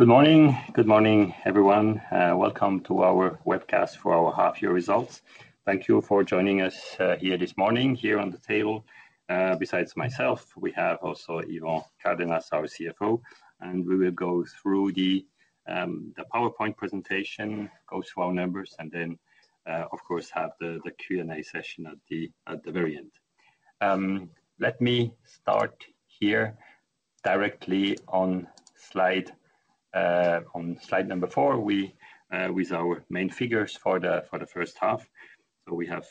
Good morning. Good morning, everyone. Welcome to our webcast for our half-year results. Thank you for joining us here this morning. Here on the table, besides myself, we have also Yvan Cardenas, our CFO. We will go through the PowerPoint presentation, go through our numbers, and then, of course, have the Q&A session at the very end. Let me start here directly on slide number four with our main figures for the first half. We have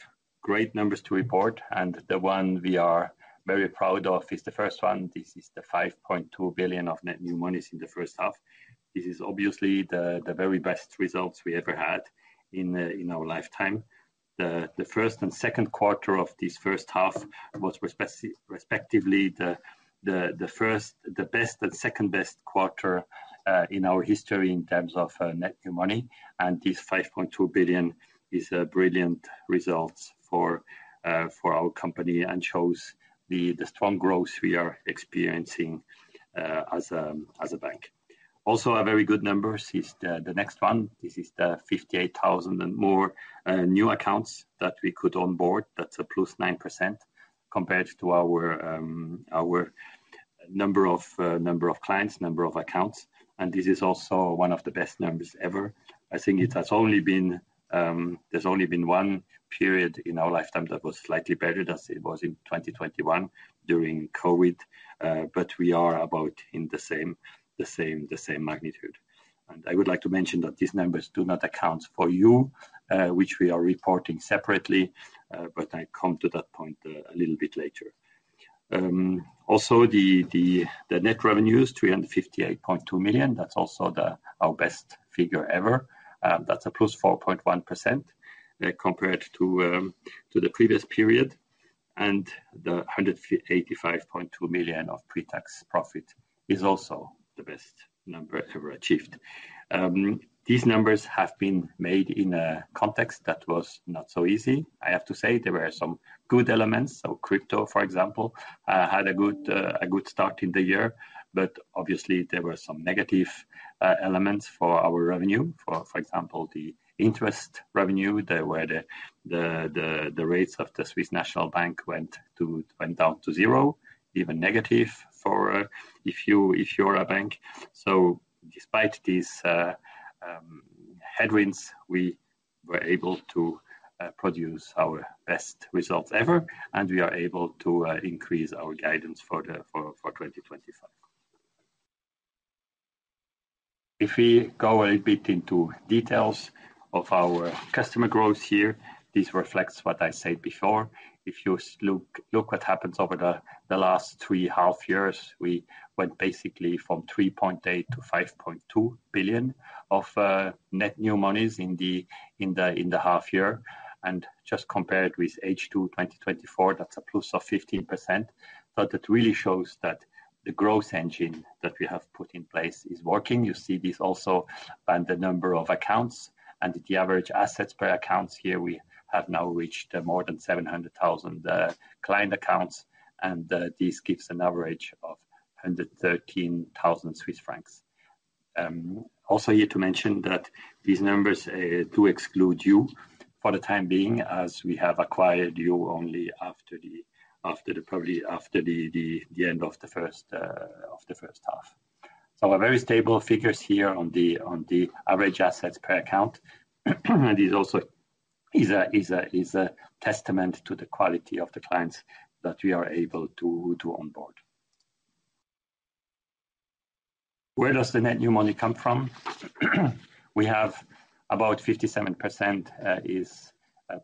great numbers to report. The one we are very proud of is the first one. This is the 5.2 billion of net new monies in the first half. This is obviously the very best result we ever had in our lifetime. The first and second quarter of this first half was respectively the best and second-best quarter in our history in terms of net new money. This 5.2 billion is a brilliant result for our company and shows the strong growth we are experiencing as a bank. Also, a very good number is the next one. This is the 58,000 and more new accounts that we could onboard. That's a +9% compared to our number of clients, number of accounts. This is also one of the best numbers ever. I think there has only been one period in our lifetime that was slightly better, and it was in 2021 during COVID. We are about in the same magnitude. I would like to mention that these numbers do not account for Yuh, which we are reporting separately. I'll come to that point a little bit later. Also, the net revenues, 358.2 million. That's also our best figure ever. That's a +4.1% compared to the previous period. The 185.2 million of pre-tax profit is also the best number ever achieved. These numbers have been made in a context that was not so easy, I have to say. There were some good elements. Crypto, for example, had a good start in the year. Obviously, there were some negative elements for our revenue. For example, the interest revenue, the rates of the Swiss National Bank went down to zero, even negative if you are a bank. Despite these headwinds, we were able to produce our best results ever. We are able to increase our guidance for 2025. If we go a little bit into details of our customer growth here, this reflects what I said before. If you look at what happened over the last three half years, we went basically from 3.8 billion-5.2 billion of net new monies in the half year. Just compared with H2 2024, that's a plus of 15%. It really shows that the growth engine that we have put in place is working. You see this also in the number of accounts and the average assets per account. Here, we have now reached more than 700,000 client accounts, and this gives an average of 113,000 Swiss francs. Also, here to mention that these numbers do exclude Yuh for the time being, as we have acquired Yuh only after the end of the first half. Our very stable figures here on the average assets per account are also a testament to the quality of the clients that we are able to onboard. Where does the net new money come from? We have about 57%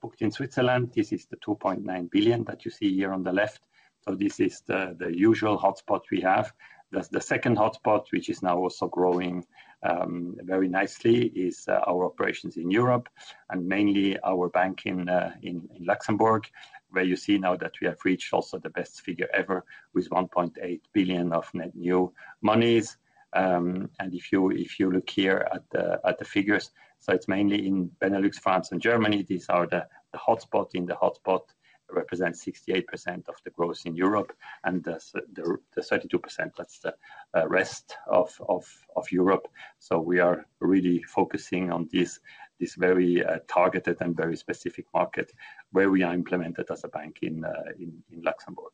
booked in Switzerland. This is the 2.9 billion that you see here on the left. This is the usual hotspot we have. The second hotspot, which is now also growing very nicely, is our operations in Europe, mainly our bank in Luxembourg, where you see now that we have reached also the best figure ever with 1.8 billion of net new monies. If you look here at the figures, it's mainly in Benelux, France, and Germany. These are the hotspots. In the hotspot, it represents 68% of the growth in Europe, and the 32% is the rest of Europe. We are really focusing on this very targeted and very specific market where we are implemented as a bank in Luxembourg.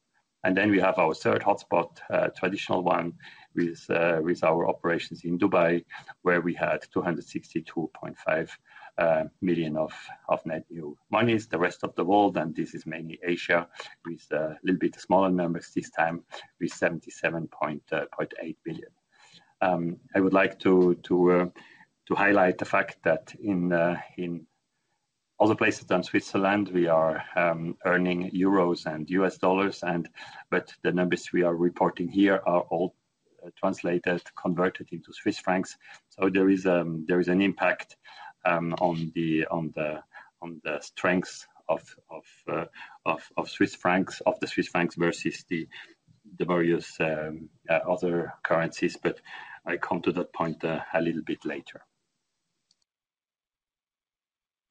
Then we have our third hotspot, a traditional one with our operations in Dubai, where we had 262.5 million of net new monies. The rest of the world, and this is mainly Asia, with a little bit smaller numbers this time, with 77.8 million. I would like to highlight the fact that in other places than Switzerland, we are earning euros and US dollars, but the numbers we are reporting here are all translated, converted into Swiss francs. There is an impact on the strength of the Swiss franc versus the various other currencies, but I'll come to that point a little bit later.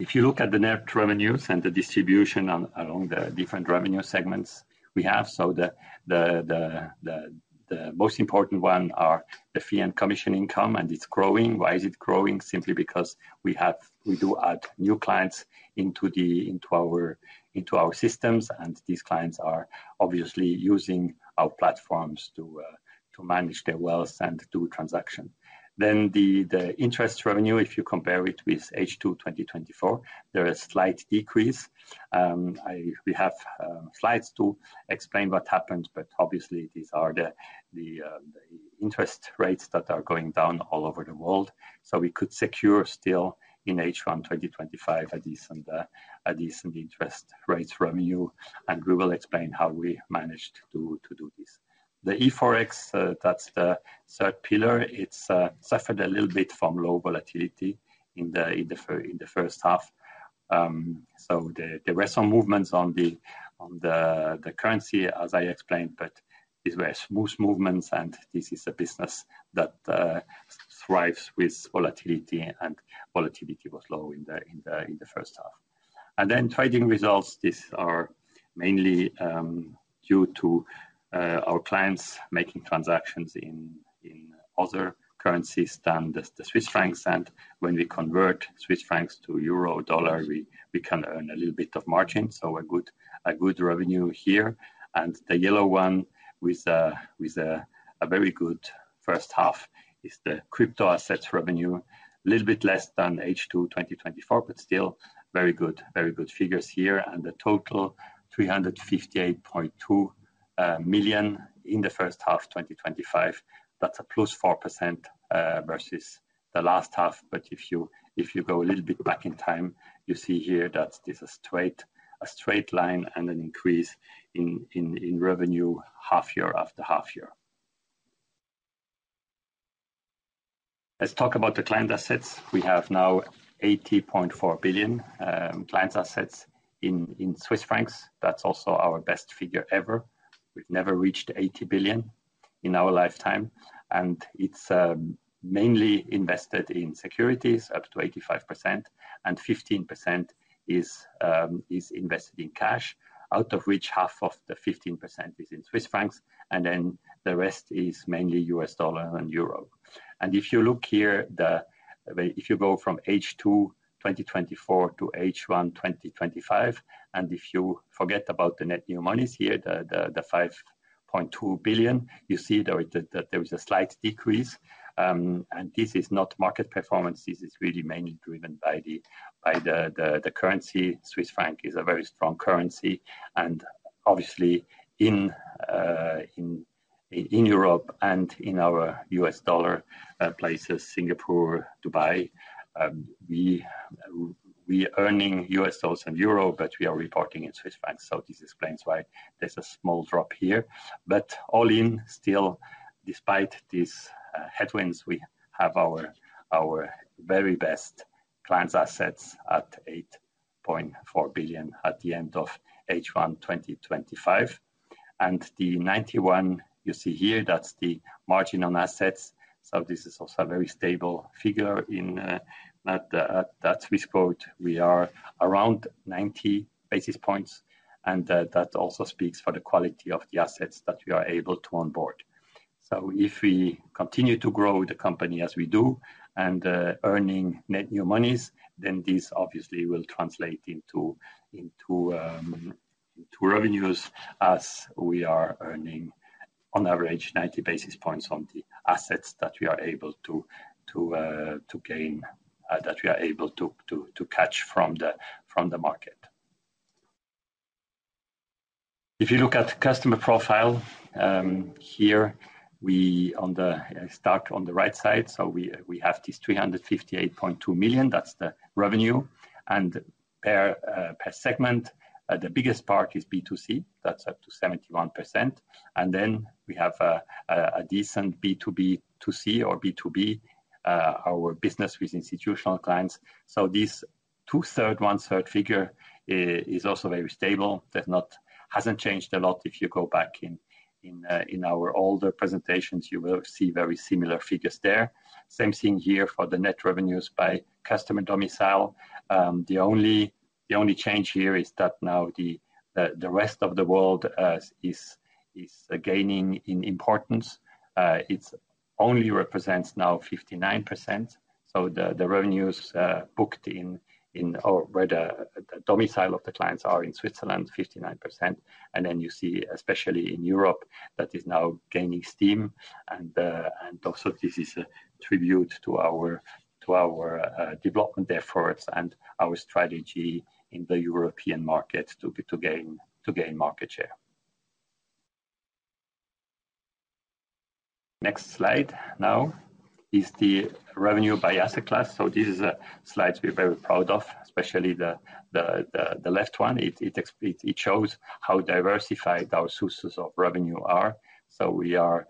If you look at the net revenues and the distribution along the different revenue segments we have, the most important ones are the fee and commission income, and it's growing. Why is it growing? Simply because we do add new clients into our systems, and these clients are obviously using our platforms to manage their wealth and do transactions. The interest revenue, if you compare it with H2 2024, there is a slight decrease. We have slides to explain what happened, but obviously, these are the interest rates that are going down all over the world. We could secure still in H1 2025 a decent interest rates revenue. We will explain how we managed to do this. The eForex, that's the third pillar, suffered a little bit from low volatility in the first half. There were some movements on the currency, as I explained, but these were smooth movements. This is a business that thrives with volatility, and volatility was low in the first half. Trading results are mainly due to our clients making transactions in other currencies than the Swiss francs. When we convert Swiss francs to euro, dollar, we can earn a little bit of margin, so a good revenue here. The yellow one with a very good first half is the crypto assets revenue, a little bit less than H2 2024, but still very good figures here. The total is 358.2 million in the first half 2025. That's a +4% versus the last half. If you go a little bit back in time, you see here that this is a straight line and an increase in revenue half year after half year. Let's talk about the client assets. We have now 80.4 billion client assets. That's also our best figure ever. We've never reached 80 billion in our lifetime. It's mainly invested in securities, up to 85%, and 15% is invested in cash, out of which half of the 15% is in Swiss francs. The rest is mainly US dollar and euro. If you look here, if you go from H2 2024 to H1 2025, and if you forget about the net new monies here, the 5.2 billion, you see that there is a slight decrease. This is not market performance. This is really mainly driven by the currency. Swiss franc is a very strong currency. Obviously, in Europe and in our US dollar places, Singapore, Dubai, we are earning US dollars and euro, but we are reporting in Swiss francs. This explains why there's a small drop here. All in still, despite these headwinds, we have our very best client assets at 80.4 billion at the end of H1 2025. The 91 you see here, that's the margin on assets. This is also a very stable figure. At Swissquote, we are around 90 basis points, and that also speaks for the quality of the assets that we are able to onboard. If we continue to grow the company as we do and earning net new monies, then this obviously will translate into revenues as we are earning, on average, 90 basis points on the assets that we are able to gain, that we are able to catch from the market. If you look at the customer profile here, we start on the right side. We have this 358.2 million. That's the revenue. Per segment, the biggest part is B2C. That's up to 71%. Then we have a decent B2B2C or B2B, our business with institutional clients. This 2/3, 1/3 figure is also very stable. It hasn't changed a lot. If you go back in our older presentations, you will see very similar figures there. The same thing here for the net revenues by customer domicile. The only change here is that now the rest of the world is gaining in importance. It only represents now 59%. The revenues booked in where the domicile of the clients are in Switzerland, 59%. You see, especially in Europe, that is now gaining steam. This is a tribute to our development efforts and our strategy in the European markets to gain market share. The next slide now is the revenue by asset class. These are slides we are very proud of, especially the left one. It shows how diversified our sources of revenue are. We are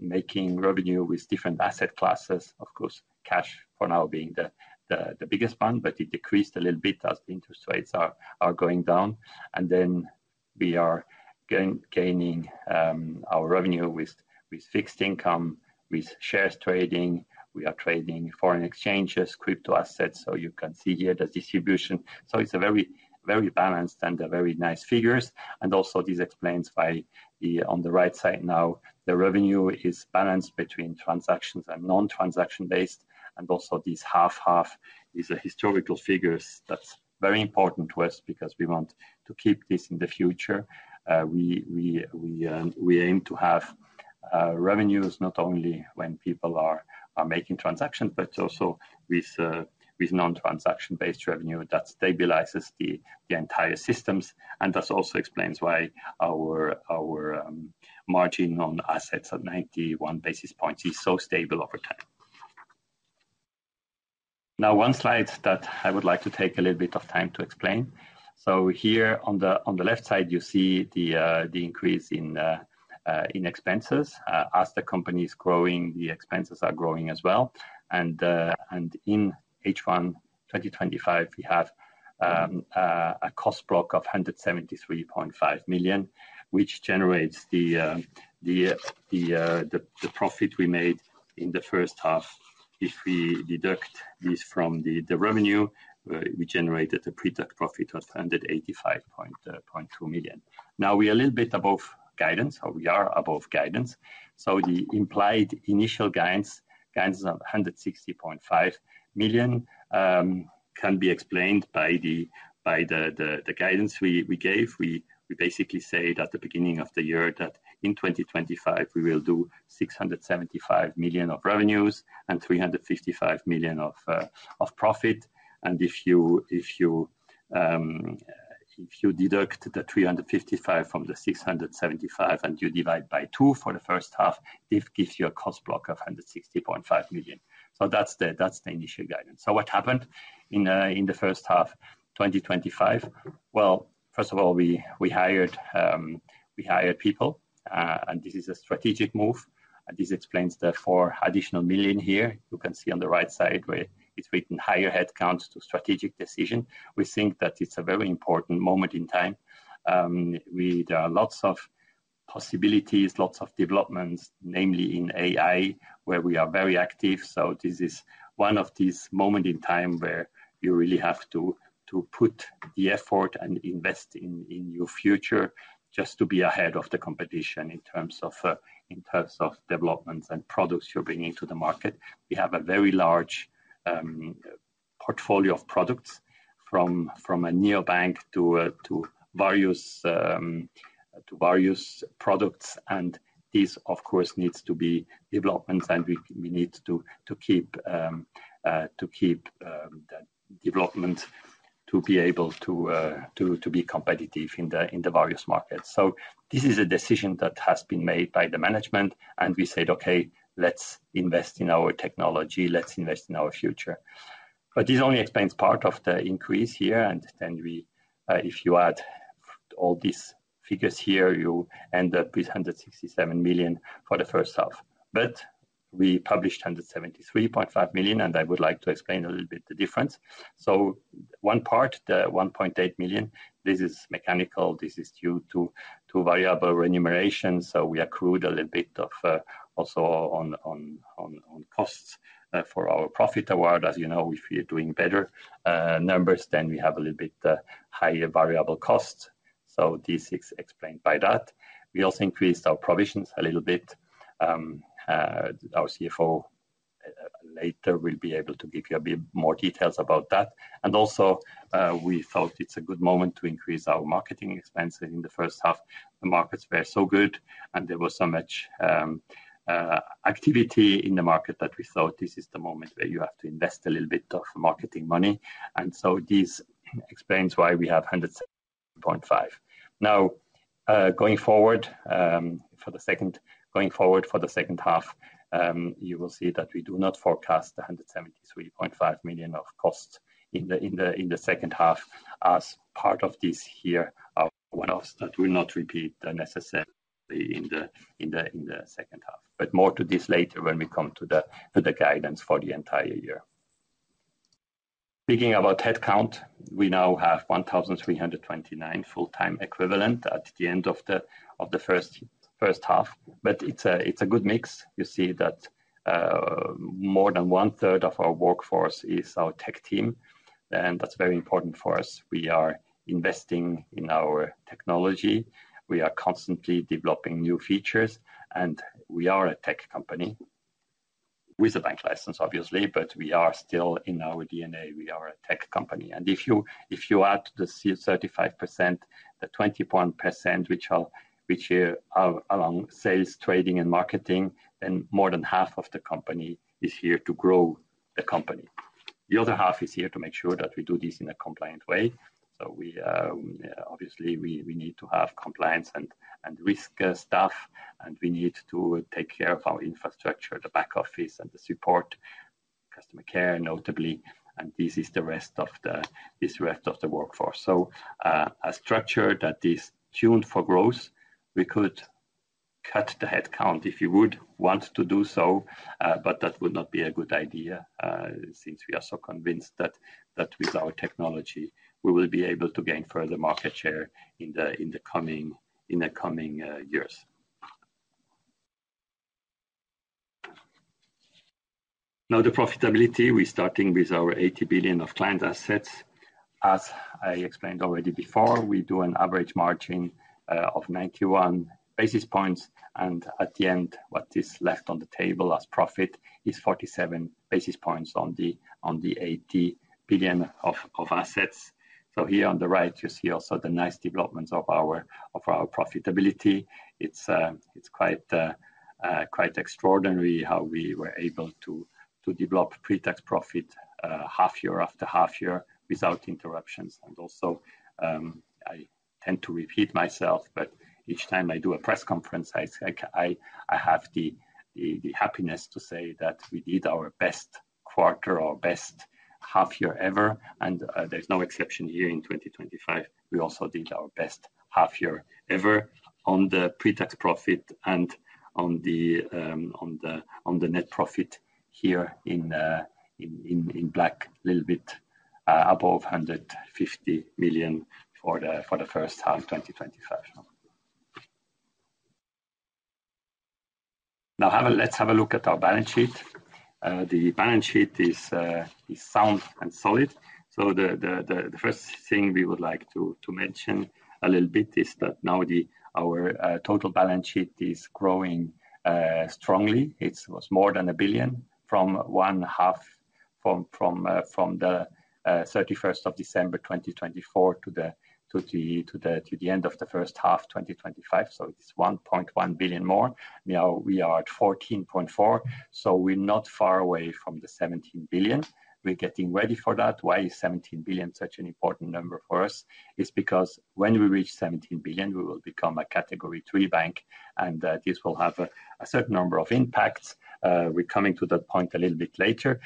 making revenue with different asset classes, of course, cash for now being the biggest one, but it decreased a little bit as the interest rates are going down. We are gaining our revenue with fixed income, with shares trading. We are trading foreign exchanges, crypto assets. You can see here the distribution. It's a very balanced and very nice figures. This also explains why on the right side now, the revenue is balanced between transactions and non-transaction based. This half-half is a historical figure that's very important to us because we want to keep this in the future. We aim to have revenues not only when people are making transactions, but also with non-transaction-based revenue that stabilizes the entire systems. That also explains why our margin on assets at 91 basis points is so stable over time. One slide that I would like to take a little bit of time to explain. Here on the left side, you see the increase in expenses. As the company is growing, the expenses are growing as well. In H1 2025, we have a cost stroke of 173.5 million, which generates the profit we made in the first half. If we deduct this from the revenue, we generated a pre-tax profit of 185.2 million. We are a little bit above guidance. We are above guidance. The implied initial guidance of 160.5 million can be explained by the guidance we gave. We basically say that at the beginning of the year that in 2025, we will do 675 million of revenues and 355 million of profit. If you deduct the 355 from the 675 and you divide by 2 for the first half, it gives you a cost block of $160.5 million. That's the initial guidance. What happened in the first half, 2025? First of all, we hired people. This is a strategic move. This explains the 4 additional million here. You can see on the right side where it's written higher headcount to strategic decision. We think that it's a very important moment in time. There are lots of possibilities, lots of developments, namely in AI, where we are very active. This is one of these moments in time where you really have to put the effort and invest in your future just to be ahead of the competition in terms of developments and products you're bringing to the market. We have a very large portfolio of products from a neobank to various products. This, of course, needs to be developments. We need to keep development to be able to be competitive in the various markets. This is a decision that has been made by the management. We said, okay, let's invest in our technology. Let's invest in our future. This only explains part of the increase here. If you add all these figures here, you end up with $167 million for the first half. We published $173.5 million. I would like to explain a little bit the difference. One part, the $1.8 million, this is mechanical. This is due to variable remuneration. We accrued a little bit of also on costs for our profit award. As you know, if we are doing better numbers, then we have a little bit higher variable costs. This is explained by that. We also increased our provisions a little bit. Our CFO later will be able to give you a bit more details about that. We thought it's a good moment to increase our marketing expenses in the first half. The markets were so good. There was so much activity in the market that we thought this is the moment where you have to invest a little bit of marketing money. This explains why we have $175 million. Going forward for the second half, you will see that we do not forecast $173.5 million of costs in the second half as part of this here. One of us that will not repeat necessarily in the second half. More to this later when we come to the guidance for the entire year. Speaking about headcount, we now have 1,329 full-time equivalent at the end of the first half. It's a good mix. You see that more than one-third of our workforce is our tech team. That's very important for us. We are investing in our technology. We are constantly developing new features. We are a tech company with a bank license, obviously. We are still, in our DNA, a tech company. If you add the certified %, the 21%, which are along sales, trading, and marketing, then more than half of the company is here to grow the company. The other half is here to make sure that we do this in a compliant way. Obviously, we need to have compliance and risk staff. We need to take care of our infrastructure, the back office, and the support, customer care, notably. This is the rest of the workforce. A structure that is tuned for growth, we could cut the headcount if you would want to do so, but that would not be a good idea since we are so convinced that with our technology, we will be able to gain further market share in the coming years. Now, the profitability, we're starting with our $80 billion of client assets. As I explained already before, we do an average margin of 91 basis points. At the end, what is left on the table as profit is 47 basis points on the $80 billion of assets. Here on the right, you see also the nice development of our profitability. It's quite extraordinary how we were able to develop pre-tax profit half year after half year without interruptions. I tend to repeat myself, but each time I do a press conference, I have the happiness to say that we did our best quarter, our best half year ever. There's no exception here in 2025. We also did our best half year ever on the pre-tax profit and on the net profit here in black, a little bit above $150 million for the first half, 2025. Now, let's have a look at our balance sheet. The balance sheet is sound and solid. The first thing we would like to mention a little bit is that now our total balance sheet is growing strongly. It was more than $1 billion from one half from the 31st of December 2024 to the end of the first half, 2025. It's $1.1 billion more. Now, we are at $14.4 billion. We're not far away from the $17 billion. We're getting ready for that. Why is $17 billion such an important number for us? It's because when we reach $17 billion, we will become a category 3 bank. This will have a certain number of impacts. We're coming to that point a little bit later.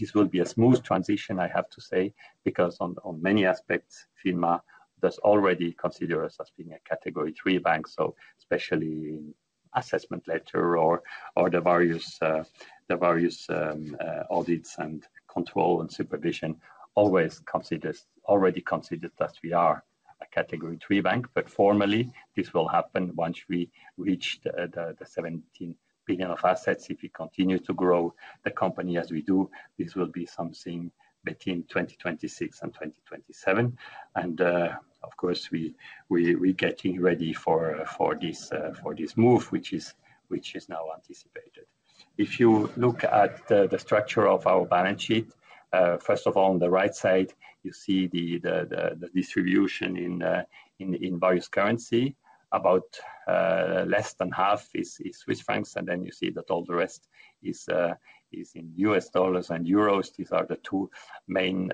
This will be a smooth transition, I have to say, because on many aspects, FINMA does already consider us as being a category 3 bank. Especially in assessment letter or the various audits and control and supervision, already considered that we are a category 3 bank. Formally, this will happen once we reach the 17 billion of assets. If we continue to grow the company as we do, this will be something between 2026 and 2027. Of course, we're getting ready for this move, which is now anticipated. If you look at the structure of our balance sheet, first of all, on the right side, you see the distribution in various currencies. About less than half is Swiss francs. All the rest is in US dollars and euros. These are the two main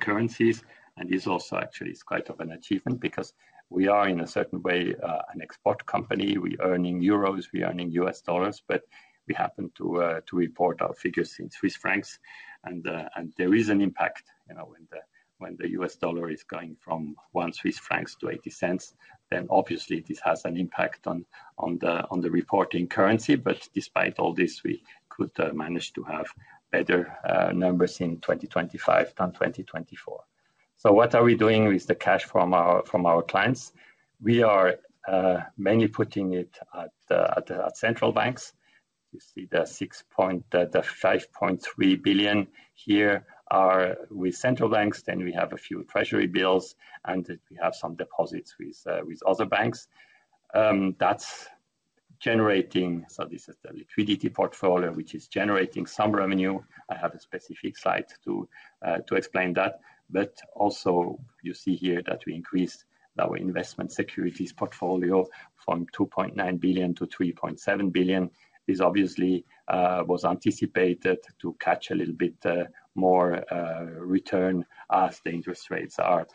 currencies. This also actually is quite of an achievement because we are, in a certain way, an export company. We're earning euros. We're earning US dollars. We happen to report our figures in Swiss francs. There is an impact. You know, when the US dollar is going from one Swiss franc to $0.80, obviously, this has an impact on the reporting currency. Despite all this, we would manage to have better numbers in 2025 than 2024. What are we doing with the cash from our clients? We are mainly putting it at central banks. You see the 5.3 billion here are with central banks. We have a few treasury bills. We have some deposits with other banks. This is the liquidity portfolio, which is generating some revenue. I have a specific slide to explain that. You see here that we increased our investment securities portfolio from 2.9 billion-3.7 billion. This obviously was anticipated to catch a little bit more return as the interest rates are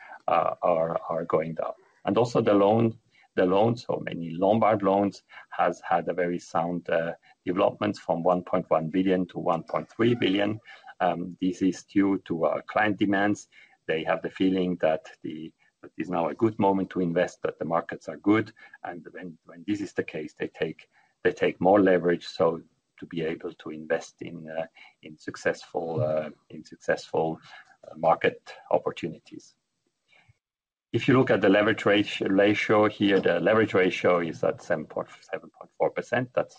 going down. The loans, so many Lombard loans, have had a very sound development from 1.1 billion-1.3 billion. This is due to our client demands. They have the feeling that this is now a good moment to invest, that the markets are good. When this is the case, they take more leverage to be able to invest in successful market opportunities. If you look at the leverage ratio here, the leverage ratio is at 7.4%. That's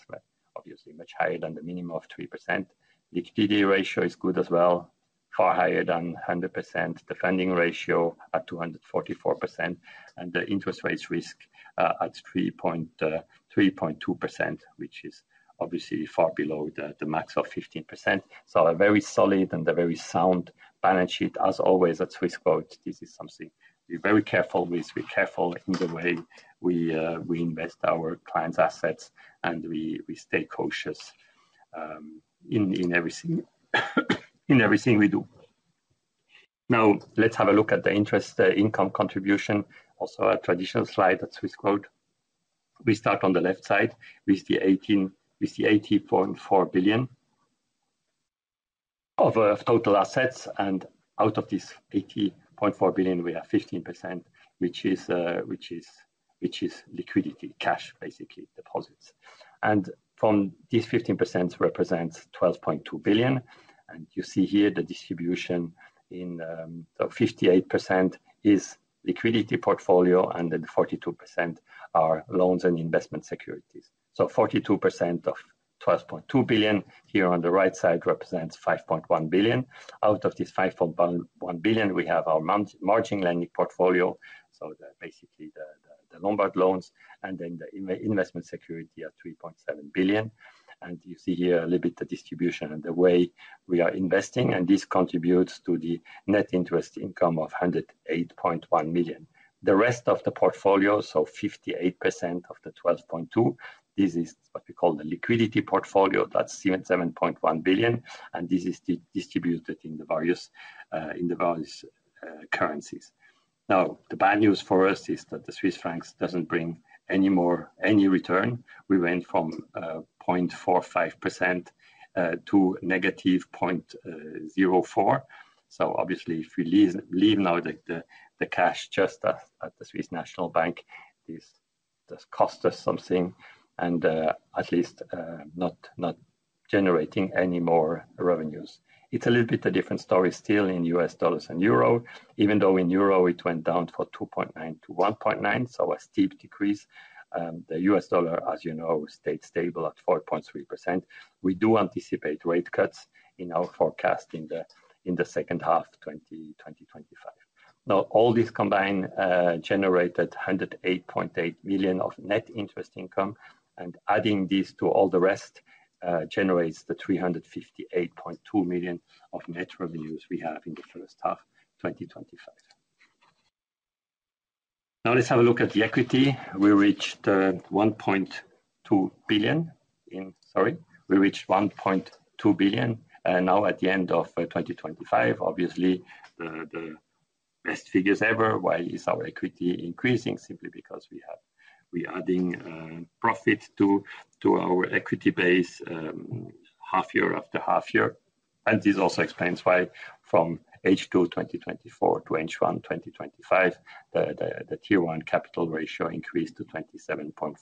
obviously much higher than the minimum of 3%. Liquidity ratio is good as well, far higher than 100%. The funding ratio at 244%. The interest rate risk at 3.2%, which is obviously far below the max of 15%. A very solid and a very sound balance sheet. As always, at Swissquote, this is something we're very careful with. We're careful in the way we invest our clients' assets. We stay cautious in everything we do. Now, let's have a look at the interest income contribution, also a traditional slide at Swissquote. We start on the left side with the 80.4 billion of total assets. Out of this 80.4 billion, we have 15%, which is liquidity, cash, basically, deposits. This 15% represents 12.2 billion. You see here the distribution: 58% is liquidity portfolio, and 42% are loans and investment securities. 42% of 12.2 billion here on the right side represents 5.1 billion. Out of this 5.1 billion, we have our margin lending portfolio, so basically the Lombard loans, and then the investment security at 3.7 billion. You see here a little bit of the distribution and the way we are investing. This contributes to the net interest income of 108.1 million. The rest of the portfolio, 58% of the 12.2 billion, is what we call the liquidity portfolio. That's 7.1 billion. This is distributed in the various currencies. The bad news for us is that the Swiss francs doesn't bring any more return. We went from 0.45% to -0.04%. Obviously, if we leave now the cash just at the Swiss National Bank, this does cost us something and at least not generating any more revenues. It's a little bit of a different story still in US dollars and euro, even though in euro, it went down from 2.9%-1.9%, so a steep decrease. The US dollar, as you know, stayed stable at 4.3%. We do anticipate rate cuts in our forecast in the second half, 2025. All this combined generated 108.8 million of net interest income. Adding this to all the rest generates the 358.2 million of net revenues we have in the first half, 2025. Now, let's have a look at the equity. We reached 1.2 billion. Sorry, we reached 1.2 billion. At the end of 2025, obviously, the best figures ever. Why is our equity increasing? Simply because we are adding profit to our equity base half year after half year. This also explains why from H2 2024 to H1 2025, the Tier 1 capital ratio increased to 27.4%.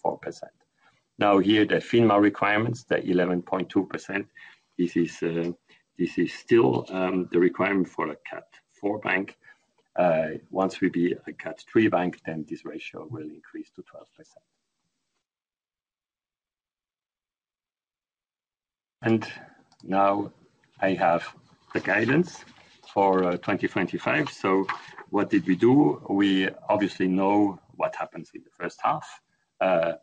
Here the FINMA requirements, the 11.2%. This is still the requirement for a CAT 4 bank. Once we be a CAT 3 bank, this ratio will increase to 12%. Now, I have the guidance for 2025. What did we do? We obviously know what happens in the first half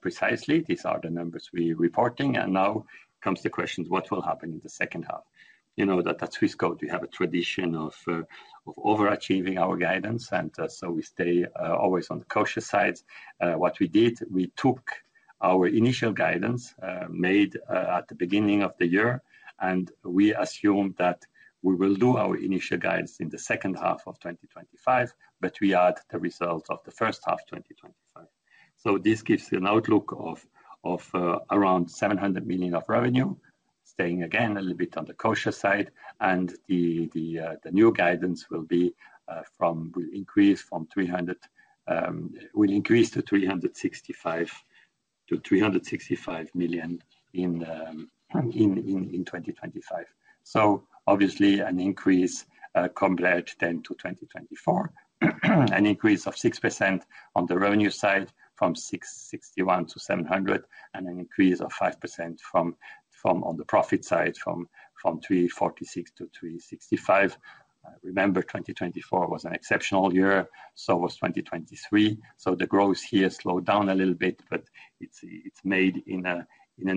precisely. These are the numbers we're reporting. Now comes the question, what will happen in the second half? You know that at Swissquote, we have a tradition of overachieving our guidance. We stay always on the cautious side. What we did, we took our initial guidance made at the beginning of the year. We assumed that we will do our initial guidance in the second half of 2025. We add the results of the first half, 2025. This gives you an outlook of around $700 million of revenue, staying again a little bit on the cautious side. The new guidance will increase from $365 million in 2025. Obviously, an increase compared then to 2024, an increase of 6% on the revenue side from $661 million-$700 million, and an increase of 5% on the profit side from $346 million-$365 million. Remember, 2024 was an exceptional year. 2023 was as well. The growth here slowed down a little bit. It is made in an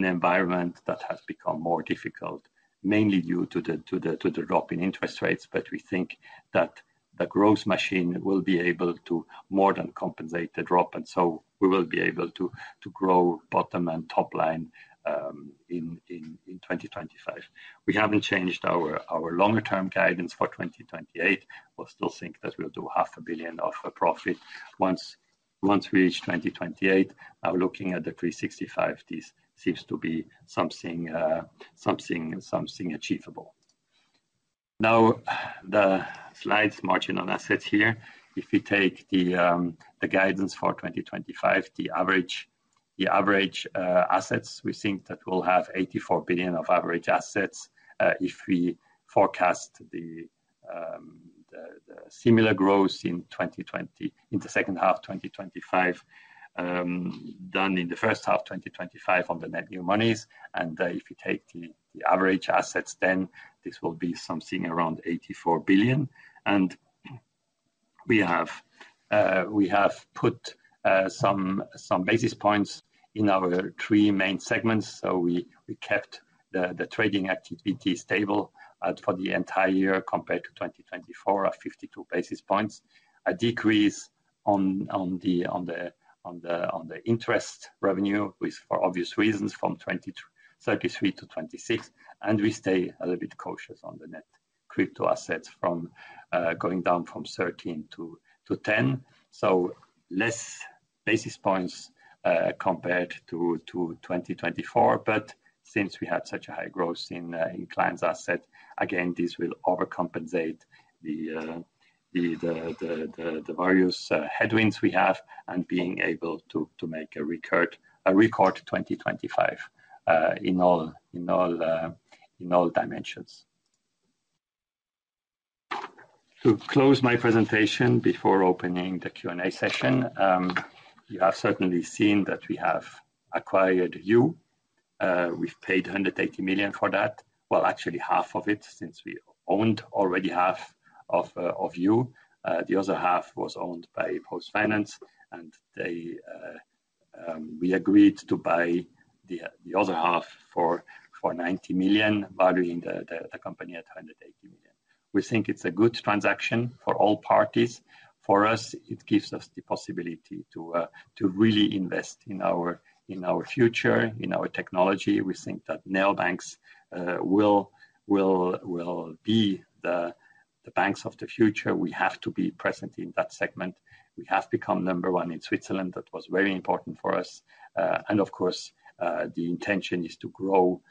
environment that has become more difficult, mainly due to the drop in interest rates. We think that the growth machine will be able to more than compensate the drop. We will be able to grow bottom and top line in 2025. We haven't changed our longer-term guidance for 2028. We still think that we'll do half a billion of profit once we reach 2028. Now, looking at the $365 million, this seems to be something achievable. The slides margin on assets here. If we take the guidance for 2025, the average assets, we think that we'll have $84 billion of average assets if we forecast the similar growth in the second half of 2025 as in the first half of 2025 on the net new money inflows. If we take the average assets, then this will be something around $84 billion. We have put some basis points in our three main segments. We kept the trading activity stable for the entire year compared to 2024 at 52 basis points, a decrease on the interest revenue for obvious reasons from 33-26. We stay a little bit cautious on the net crypto assets, going down from 13-10. Fewer basis points compared to 2024. Since we had such a high growth in client assets, this will overcompensate the various headwinds we have and allow us to make a record 2025 in all dimensions. To close my presentation before opening the Q&A session, you have certainly seen that we have acquired Yuh. We paid $180 million for that. Actually, half of it since we owned already half of Yuh. The other half was owned by PostFinance. We agreed to buy the other half for $90 million, valuing the company at $180 million. We think it's a good transaction for all parties. For us, it gives us the possibility to really invest in our future, in our technology. We think that neobanks will be the banks of the future. We have to be present in that segment. We have become number one in Switzerland. That was very important for us. The intention is to grow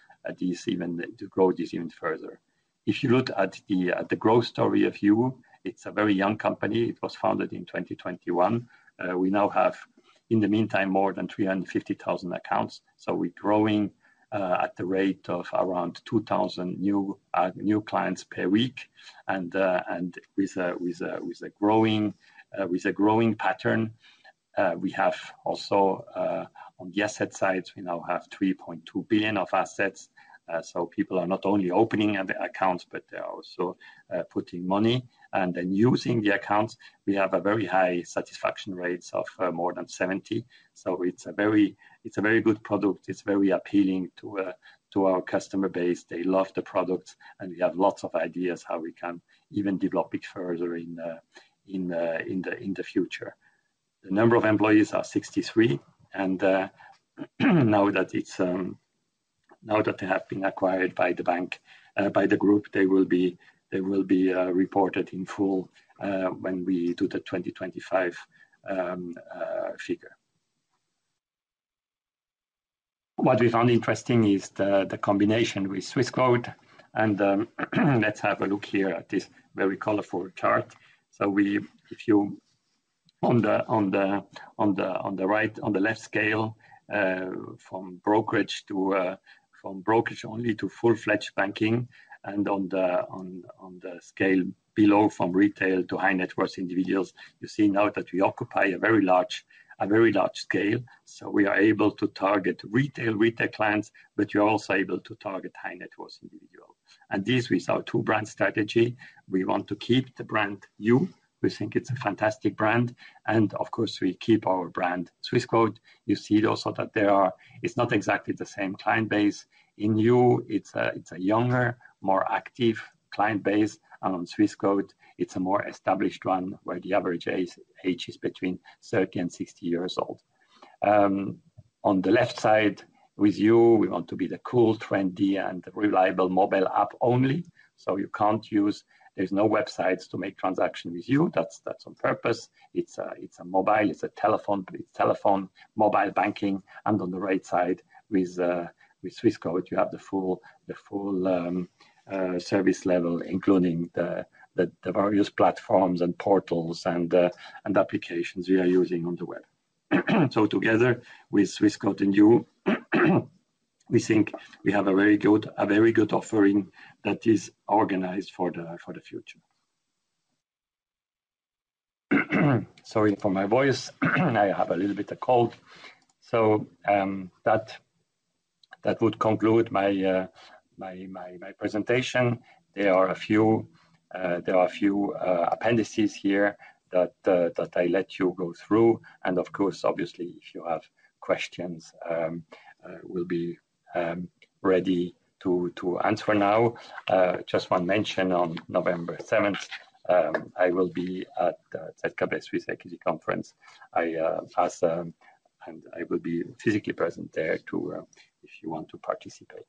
this even further. If you look at the growth story of Yuh, it's a very young company. It was founded in 2021. We now have, in the meantime, more than 350,000 accounts. We're growing at the rate of around 2,000 new clients per week. With a growing pattern, we have also, on the asset side, we now have 3.2 billion of assets. People are not only opening accounts, but they're also putting money and then using the accounts. We have a very high satisfaction rate of more than 70%. It's a very good product. It's very appealing to our customer base. They love the product. We have lots of ideas how we can even develop it further in the future. The number of employees is 63. Now that they have been acquired by the bank, by the group, they will be reported in full when we do the 2025 figure. What we found interesting is the combination with Swissquote. Let's have a look here at this very colorful chart. If you look on the left scale, from brokerage only to full-fledged banking, and on the scale below, from retail to high net worth individuals, you see now that we occupy a very large scale. We are able to target retail clients, but we are also able to target high net worth individuals. This is our two-brand strategy. We want to keep the brand Yuh. We think it's a fantastic brand. Of course, we keep our brand Swissquote. You see also that it's not exactly the same client base. In Yuh, it's a younger, more active client base. On Swissquote, it's a more established one where the average age is between 30 and 60 years old. On the left side, with Yuh, we want to be the cool, trendy, and reliable mobile app only. You can't use, there's no websites to make transactions with Yuh. That's on purpose. It's a mobile, it's a telephone, mobile banking. On the right side, with Swissquote, you have the full service level, including the various platforms and portals and applications we are using on the web. Together with Swissquote and Yuh, we think we have a very good offering that is organized for the future. Sorry for my voice. I have a little bit of cold. That would conclude my presentation. There are a few appendices here that I let you go through. If you have questions, we'll be ready to answer now. I just want to mention on November 7, I will be at ZKBS Swiss Equity Conference. I will be physically present there if you want to participate.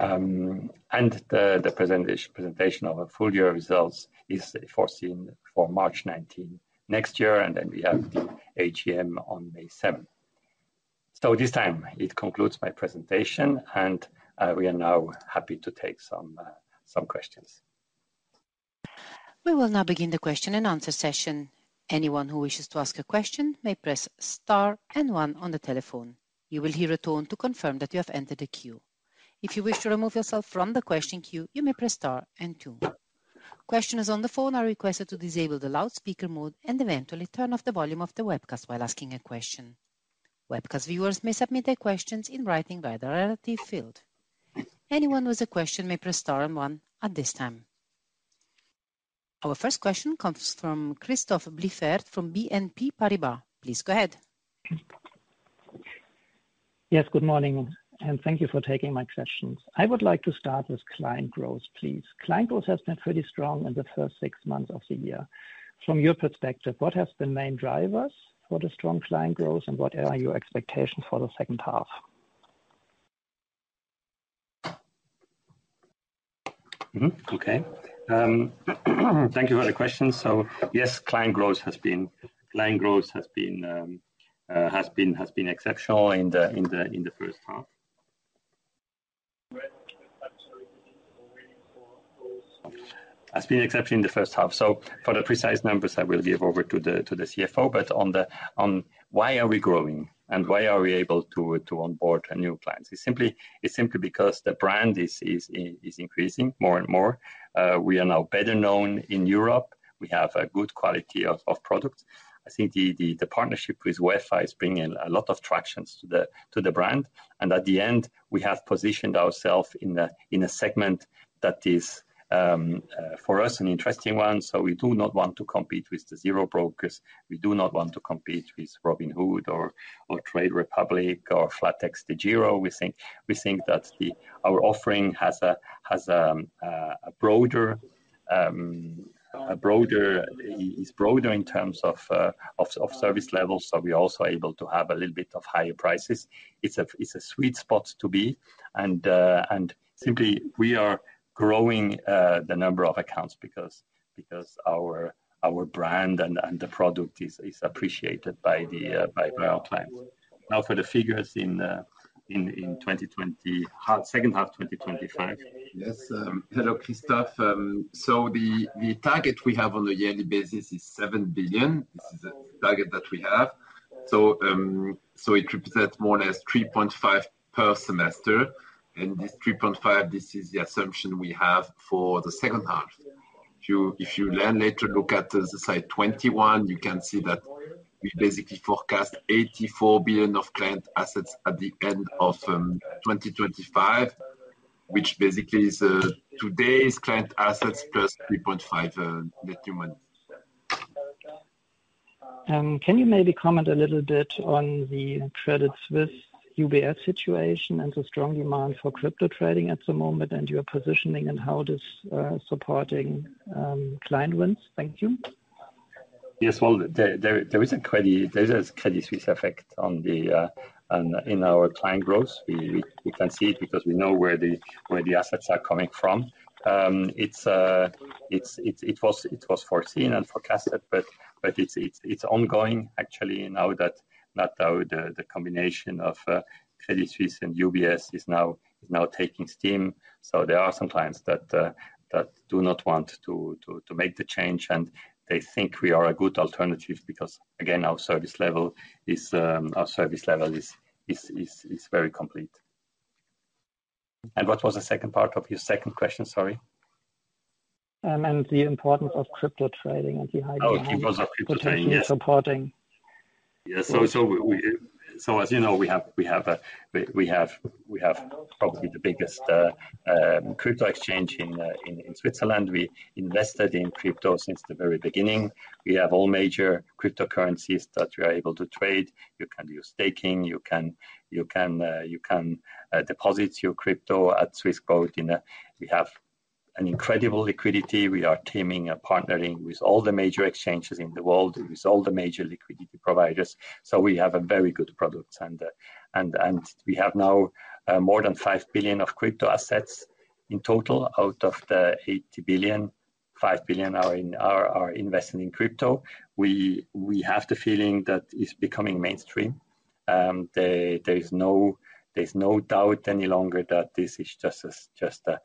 The presentation of full year results is foreseen for March 19 next year, and we have the AGM on May 7. This concludes my presentation. We are now happy to take some questions. We will now begin the question and answer session. Anyone who wishes to ask a question may press star and one on the telephone. You will hear a tone to confirm that you have entered the queue. If you wish to remove yourself from the question queue, you may press star and two. Questioners on the phone are requested to disable the loudspeaker mode and eventually turn off the volume of the webcast while asking a question. Webcast viewers may submit their questions in writing by the relative field. Anyone with a question may press star and one at this time. Our first question comes from Christoph Blieffert from BNP Paribas. Please go ahead. Yes, good morning. Thank you for taking my questions. I would like to start with client growth, please. Client growth has been pretty strong in the first six months of the year. From your perspective, what has been the main drivers for the strong client growth? What are your expectations for the second half? Thank you for the question. Yes, client growth has been exceptional in the first half. It has been exceptional in the first half. For the precise numbers, I will give over to the CFO. On why are we growing and why are we able to onboard new clients, it's simply because the brand is increasing more and more. We are now better known in Europe. We have a good quality of product. I think the partnership with Wi-Fi is bringing a lot of traction to the brand. At the end, we have positioned ourselves in a segment that is, for us, an interesting one. We do not want to compete with the zero brokers. We do not want to compete with Robinhood or Trade Republic or flatexDEGIRO. We think that our offering is broader in terms of service levels. We are also able to have a little bit of higher prices. It's a sweet spot to be. We are growing the number of accounts because our brand and the product is appreciated by our clients. Now, for the figures in the second half of 2025. Yes, hello, Christoph. The target we have on a yearly basis is 7 billion. This is a target that we have. It represents more or less 3.5 billion per semester. This 3.5 billion is the assumption we have for the second half. If you then later look at slide 21, you can see that we basically forecast 84 billion of client assets at the end of 2025, which basically is today's client assets +3.5 billion net new money. Can you maybe comment a little bit on the Credit Suisse UBS situation and the strong demand for crypto trading at the moment, your positioning, and how this is supporting client wins? Thank you. Yes, there is a Credit Suisse effect in our client growth. We can see it because we know where the assets are coming from. It was foreseen and forecasted. It's ongoing, actually, now that the combination of Credit Suisse and UBS is now taking steam. There are some clients that do not want to make the change. They think we are a good alternative because, again, our service level is very complete. What was the second part of your second question? Sorry. The importance of crypto trading and the [high demand] that you're supporting. As you know, we have probably the biggest crypto exchange in Switzerland. We invested in crypto since the very beginning. We have all major cryptocurrencies that we are able to trade. You can do staking. You can deposit your crypto at Swissquote. We have incredible liquidity. We are teaming and partnering with all the major exchanges in the world, with all the major liquidity providers. We have a very good product. We have now more than 5 billion of crypto assets in total. Out of the 80 billion, 5 billion are invested in crypto. We have the feeling that it's becoming mainstream. There is no doubt any longer that this is just a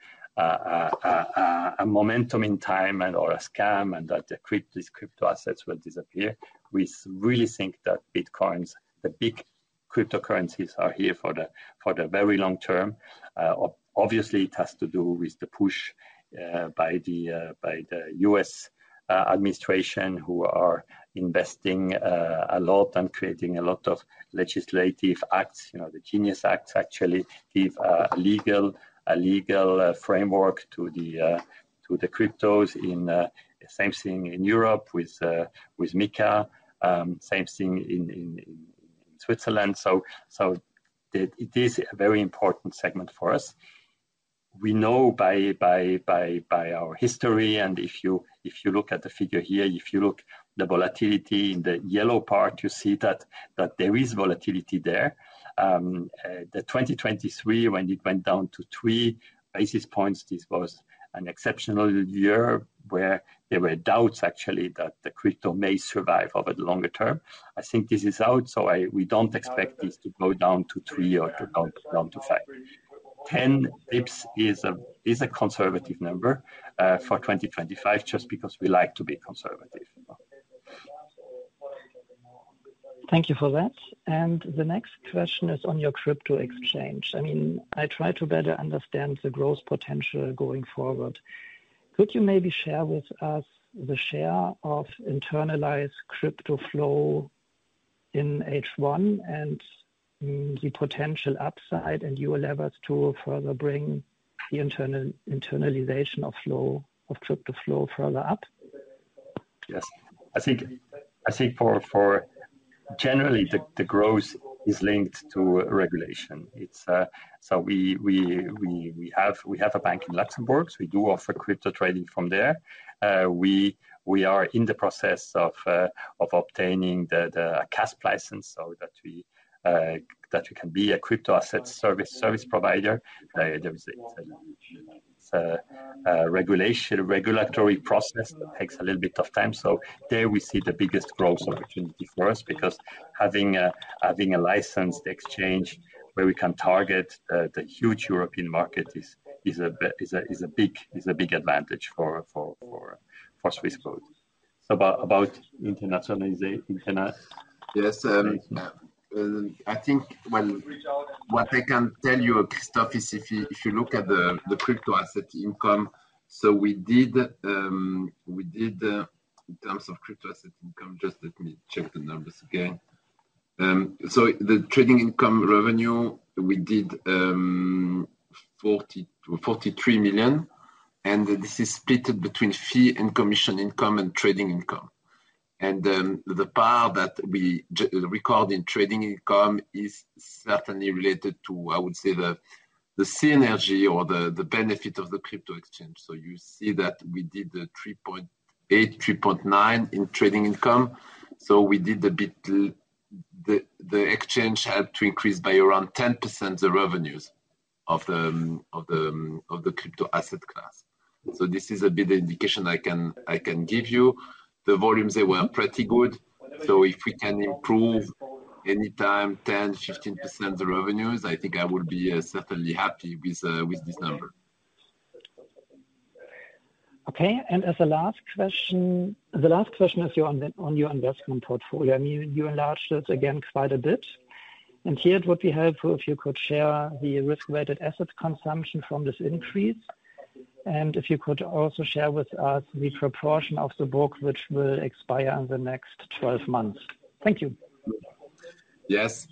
momentum in time and/or a scam and that these crypto assets will disappear. We really think that Bitcoins, the big cryptocurrencies, are here for the very long term. Obviously, it has to do with the push by the U.S. administration, who are investing a lot and creating a lot of legislative acts. The GENIUS Act actually gives a legal framework to the cryptos. Same thing in Europe with MiCA. Same thing in Switzerland. It is a very important segment for us. We know by our history. If you look at the figure here, if you look at the volatility in the yellow part, you see that there is volatility there. In 2023, when it went down to 3 basis points, this was an exceptional year where there were doubts, actually, that the crypto may survive over the longer term. I think this is out. We don't expect this to go down to 3 or to go down to 5. 10 basis points is a conservative number for 2025, just because we like to be conservative. Thank you for that. The next question is on your crypto exchange. I mean, I try to better understand the growth potential going forward. Could you maybe share with us the share of internalized crypto flow in H1 and the potential upside and your levers to further bring the internalization of flow of crypto flow further up? Yes, I think, generally, the growth is linked to regulation. We have a bank in Luxembourg. We do offer crypto trading from there. We are in the process of obtaining a CASP license so that we can be a crypto asset service provider. It's a regulatory process that takes a little bit of time. There we see the biggest growth opportunity for us because having a licensed exchange where we can target the huge European market is a big advantage for Swissquote. Yes, I think, what I can tell you, Christoph, is if you look at the crypto asset income, we did, in terms of crypto asset income, just let me check the numbers again. The trading income revenue, we did 43 million. This is split between fee and commission income and trading income. The part that we record in trading income is certainly related to, I would say, the synergy or the benefit of the crypto exchange. You see that we did the 3.8, 3.9 million in trading income. We did a bit, the exchange had to increase by around 10% the revenues of the crypto asset class. This is a bit of an indication I can give you. The volumes, they were pretty good. If we can improve any time 10%, 15% the revenues, I think I will be certainly happy with this number. Okay. As a last question, the last question is on your investment portfolio. I mean, you enlarged it again quite a bit. Here, it would be helpful if you could share the risk-weighted asset consumption from this increase. If you could also share with us the proportion of the book which will expire in the next 12 months. Thank you. Yes,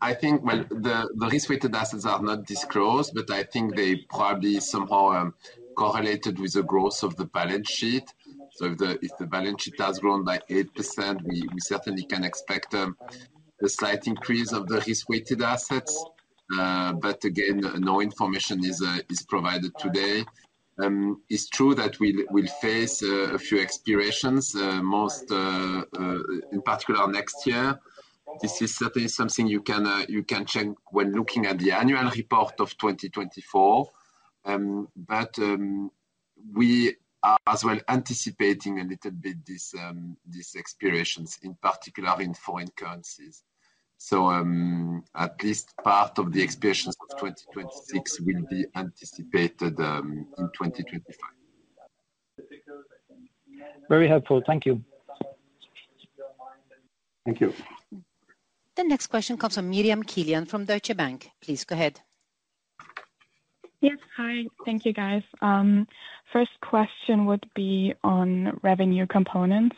I think the risk-weighted assets are not disclosed. I think they probably somehow correlated with the growth of the balance sheet. If the balance sheet does grow like 8%, we certainly can expect a slight increase of the risk-weighted assets. Again, no information is provided today. It's true that we will face a few expirations, most in particular next year. This is certainly something you can check when looking at the annual report of 2024. We are as well anticipating a little bit these expirations, in particular in foreign currencies. At least part of the expirations of 2026 will be anticipated in 2025. Very helpful. Thank you. Thank you. The next question comes from Miriam Kilian from Deutsche Bank. Please go ahead. Yes, hi. Thank you, guys. First question would be on revenue components,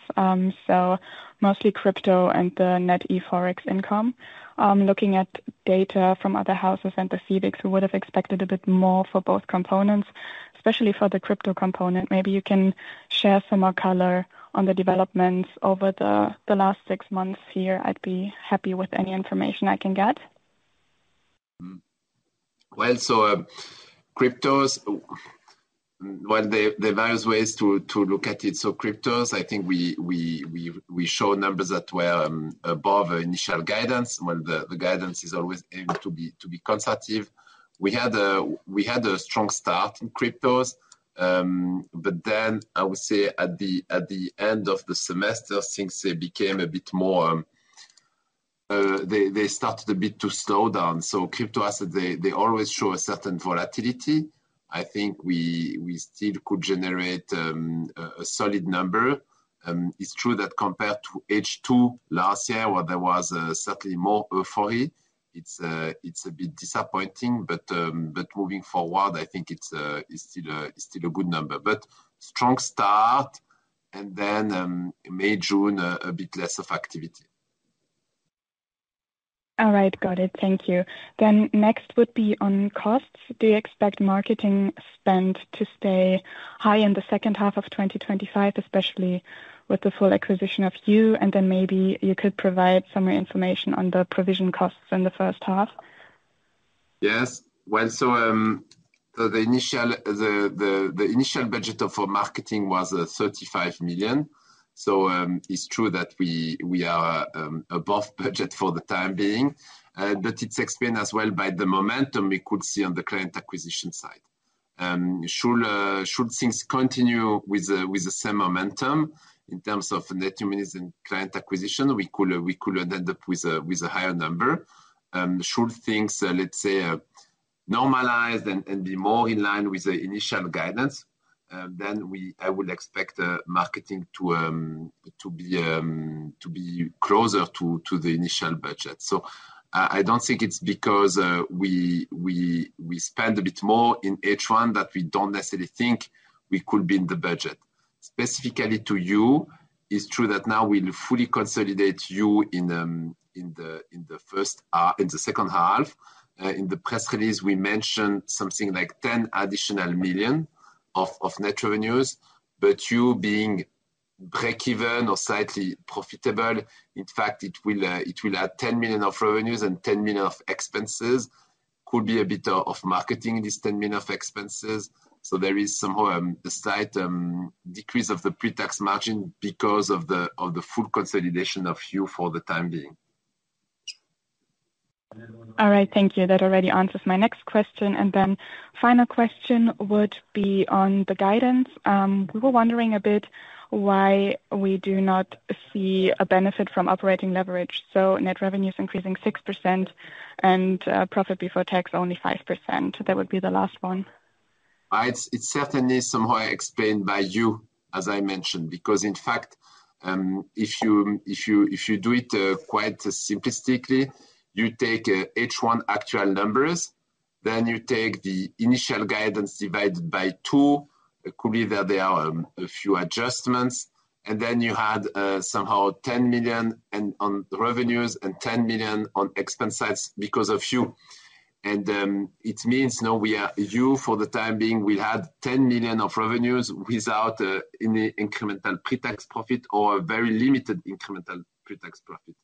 so mostly crypto and the net eForex income. I'm looking at data from other houses and specifics who would have expected a bit more for both components, especially for the crypto component. Maybe you can share some more color on the developments over the last six months here. I'd be happy with any information I can get. Cryptos, there are various ways to look at it. Cryptos, I think we showed numbers that were above initial guidance. The guidance is always able to be conservative. We had a strong start in cryptos. I would say at the end of the semester, things became a bit more, they started a bit to slow down. Crypto assets always show a certain volatility. I think we still could generate a solid number. It's true that compared to H2 last year, where there was certainly more euphoria, it's a bit disappointing. Moving forward, I think it's still a good number. Strong start and then May, June, a bit less of activity. All right, got it. Thank you. Next would be on costs. Do you expect marketing spend to stay high in the second half of 2025, especially with the full acquisition of Yuh? Maybe you could provide some more information on the provision costs in the first half. Yes, the initial budget for marketing was 35 million. It's true that we are above budget for the time being, but it's explained as well by the momentum we could see on the client acquisition side. Should things continue with the same momentum in terms of net new money inflows and client acquisition, we could end up with a higher number. Should things, let's say, normalize and be more in line with the initial guidance, then I would expect marketing to be closer to the initial budget. I don't think it's because we spend a bit more in H1 that we don't necessarily think we could be in the budget. Specifically to Yuh, it's true that now we'll fully consolidate Yuh in the second half. In the press release, we mentioned something like 10 million additional net revenues. Yuh, being break-even or slightly profitable, in fact, will add 10 million of revenues and 10 million of expenses. It could be a bit of marketing, these 10 million of expenses. There is somehow a slight decrease of the pre-tax margin because of the full consolidation of Yuh for the time being. All right, thank you. That already answers my next question. The final question would be on the guidance. We were wondering a bit why we do not see a benefit from operating leverage. Net revenues increasing 6% and profit before tax only 5%. That would be the last one. It's certainly somehow explained by Yuh, as I mentioned. Because in fact, if you do it quite simplistically, you take H1 actual numbers. You take the initial guidance divided by 2. Clearly, there are a few adjustments. You had somehow $10 million on revenues and $10 million on expenses because of Yuh. It means now we are Yuh for the time being. We had $10 million of revenues without any incremental pre-tax profit or a very limited incremental pre-tax profit.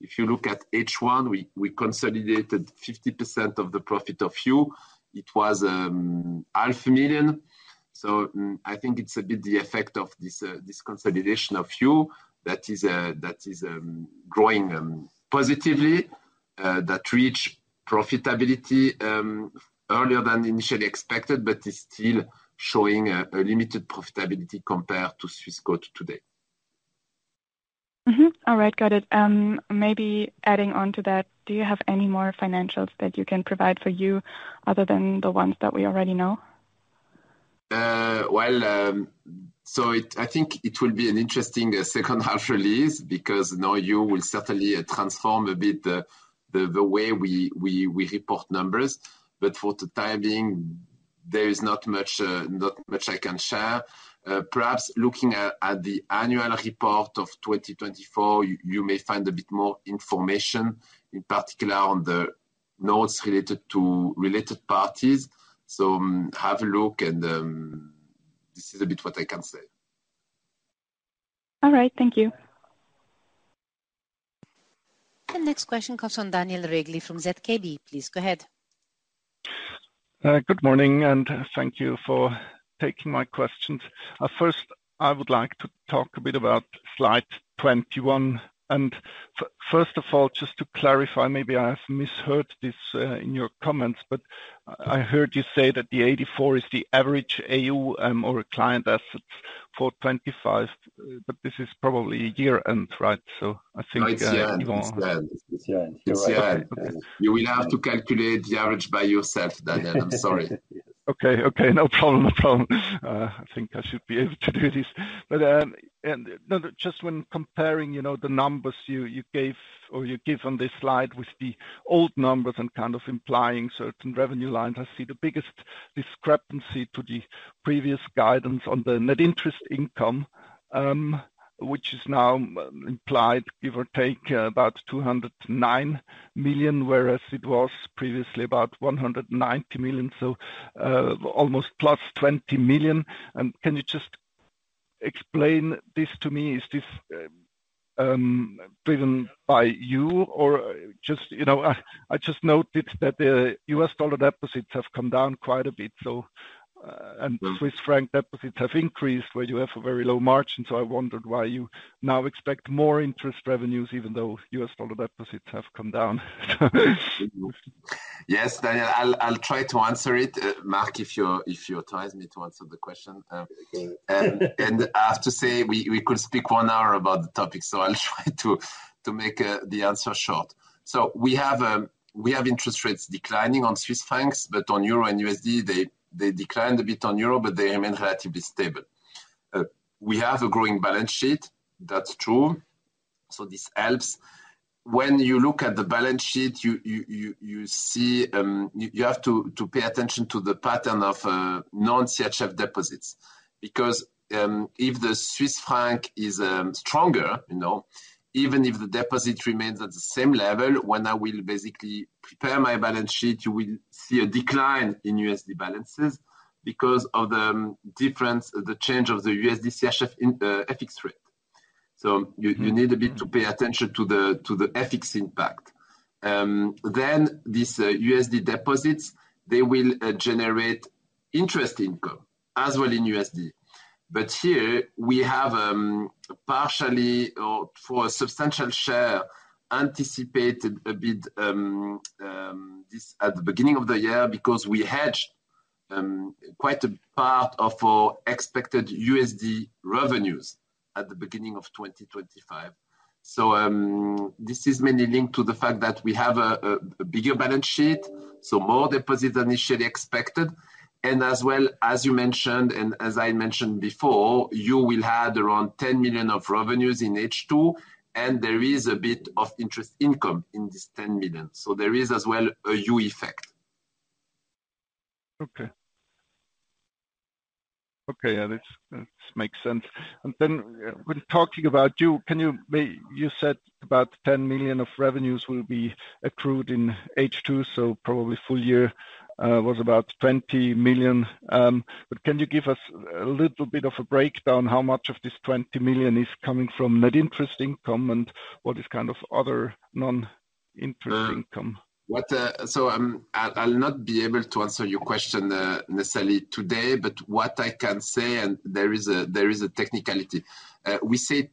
If you look at H1, we consolidated 50% of the profit of Yuh. It was half a million. I think it's a bit the effect of this consolidation of Yuh that is growing positively, that reached profitability earlier than initially expected, but is still showing a limited profitability compared to Swissquote today. All right, got it. Maybe adding on to that, do you have any more financials that you can provide for Yuh other than the ones that we already know? I think it will be an interesting second half release because now Yuh will certainly transform a bit the way we report numbers. For the time being, there is not much I can share. Perhaps looking at the annual report of 2024, you may find a bit more information, in particular on the notes related to related parties. Have a look. This is a bit what I can say. All right, thank you. The next question comes from Daniel Regli from ZKB. Please go ahead. Good morning. Thank you for taking my questions. First, I would like to talk a bit about slide 21. First of all, just to clarify, maybe I have misheard this in your comments. I heard you say that the 84 is the average AU or client assets for 2025. This is probably a year-end, right? I think. Yes, you're right. You will have to calculate the average by yourself, Daniel. I'm sorry. Okay, no problem, no problem. I think I should be able to do this. Just when comparing the numbers you gave or you give on this slide with the old numbers and kind of implying certain revenue lines, I see the biggest discrepancy to the previous guidance on the net interest income, which is now implied, give or take, about 209 million, whereas it was previously about 190 million. Almost +20 million. Can you just explain this to me? Is this driven by you? I just noted that the US dollar deposits have come down quite a bit, and Swiss franc deposits have increased where you have a very low margin. I wondered why you now expect more interest revenues, even though US dollar deposits have come down. Yes, Daniel, I'll try to answer it. Marc, if you're telling me to answer the question. I have to say, we could speak one hour about the topic. I'll try to make the answer short. We have interest rates declining on Swiss francs. On euro and USD, they declined a bit on euro, but they remain relatively stable. We have a growing balance sheet. That's true. This helps. When you look at the balance sheet, you see you have to pay attention to the pattern of non-CHF deposits. If the Swiss franc is stronger, even if the deposit remains at the same level, when I will basically prepare my balance sheet, you will see a decline in USD balances because of the difference, the change of the USD CHF FX rate. You need a bit to pay attention to the FX impact. These USD deposits will generate interest income as well in USD. Here, we have partially or for a substantial share anticipated a bit this at the beginning of the year because we hedge quite a part of our expected USD revenues at the beginning of 2025. This is mainly linked to the fact that we have a bigger balance sheet, so more deposits initially expected. As you mentioned, and as I mentioned before, you will have around $10 million of revenues in H2. There is a bit of interest income in this $10 million. There is as well a Yuh effect. Okay, yeah, this makes sense. When talking about Yuh, you said about $10 million of revenues will be accrued in H2. Probably full year was about $20 million. Can you give us a little bit of a breakdown how much of this $20 million is coming from net interest income and what is kind of other non-interest income? I'll not be able to answer your question necessarily today. What I can say, and there is a technicality, we say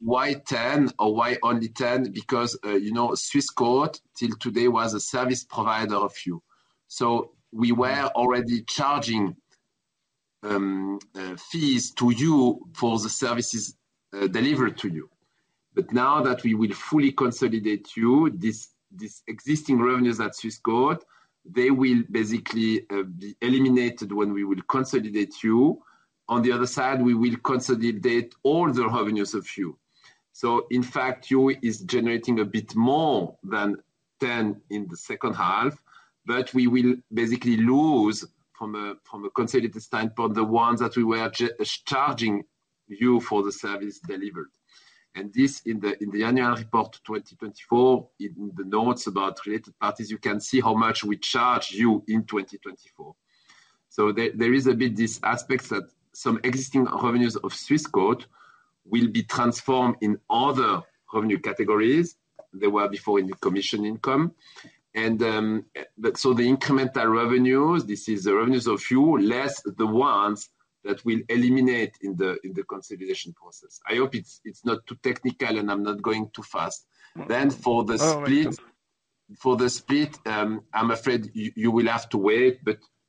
CHF 10 million more. Why 10 million or why only 10 million? Swissquote, till today, was a service provider of Yuh. We were already charging fees to Yuh for the services delivered to Yuh. Now that we will fully consolidate Yuh, these existing revenues at Swissquote will basically be eliminated when we consolidate Yuh. On the other side, we will consolidate all the revenues of Yuh. In fact, Yuh is generating a bit more than 10 million in the second half. We will basically lose, from a consolidated standpoint, the ones that we were charging Yuh for the service delivered. In the annual report 2024, in the notes about related parties, you can see how much we charge Yuh in 2024. There is a bit this aspect that some existing revenues of Swissquote will be transformed in other revenue categories. They were before in commission income. The incremental revenues are the revenues of Yuh, less the ones that we'll eliminate in the consolidation process. I hope it's not too technical and I'm not going too fast. For the split, I'm afraid you will have to wait.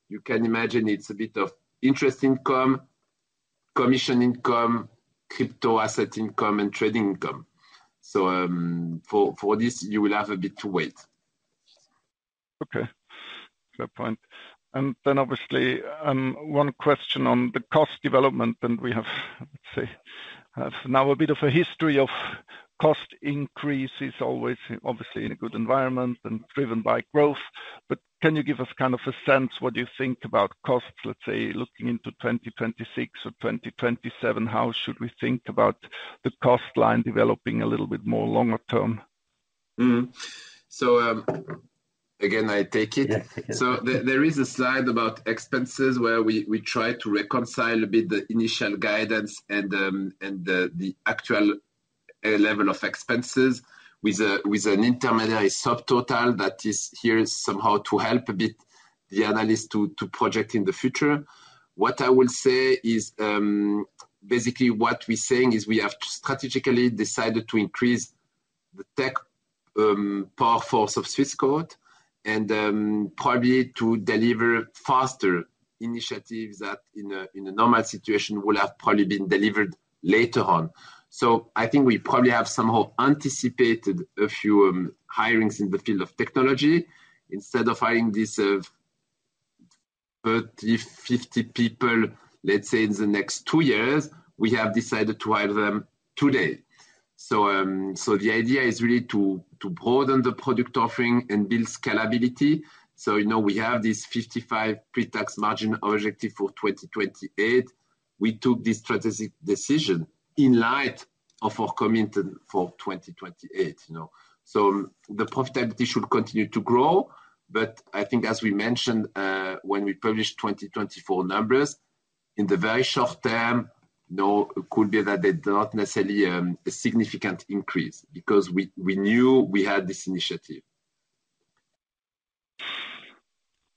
You can imagine it's a bit of interest income, commission income, crypto asset income, and trading income. For this, you will have a bit to wait. Fair point. One question on the cost development. We have, let's say, now a bit of a history of cost increases, obviously in a good environment and driven by growth. Can you give us kind of a sense of what you think about costs, looking into 2026 or 2027? How should we think about the cost line developing a little bit more longer term? There is a slide about expenses where we try to reconcile a bit the initial guidance and the actual level of expenses with an intermediary subtotal that is here somehow to help a bit the analysts to project in the future. What I will say is basically what we're saying is we have strategically decided to increase the tech power force of Swissquote and probably to deliver faster initiatives that in a normal situation would have probably been delivered later on. I think we probably have somehow anticipated a few hirings in the field of technology. Instead of hiring these 30, 50 people, let's say, in the next two years, we have decided to hire them today. The idea is really to broaden the product offering and build scalability. We have this 55% pre-tax margin objective for 2028. We took this strategic decision in light of our commitment for 2028. The profitability should continue to grow. As we mentioned when we published 2024 numbers, in the very short term, it could be that they don't necessarily have a significant increase because we knew we had this initiative.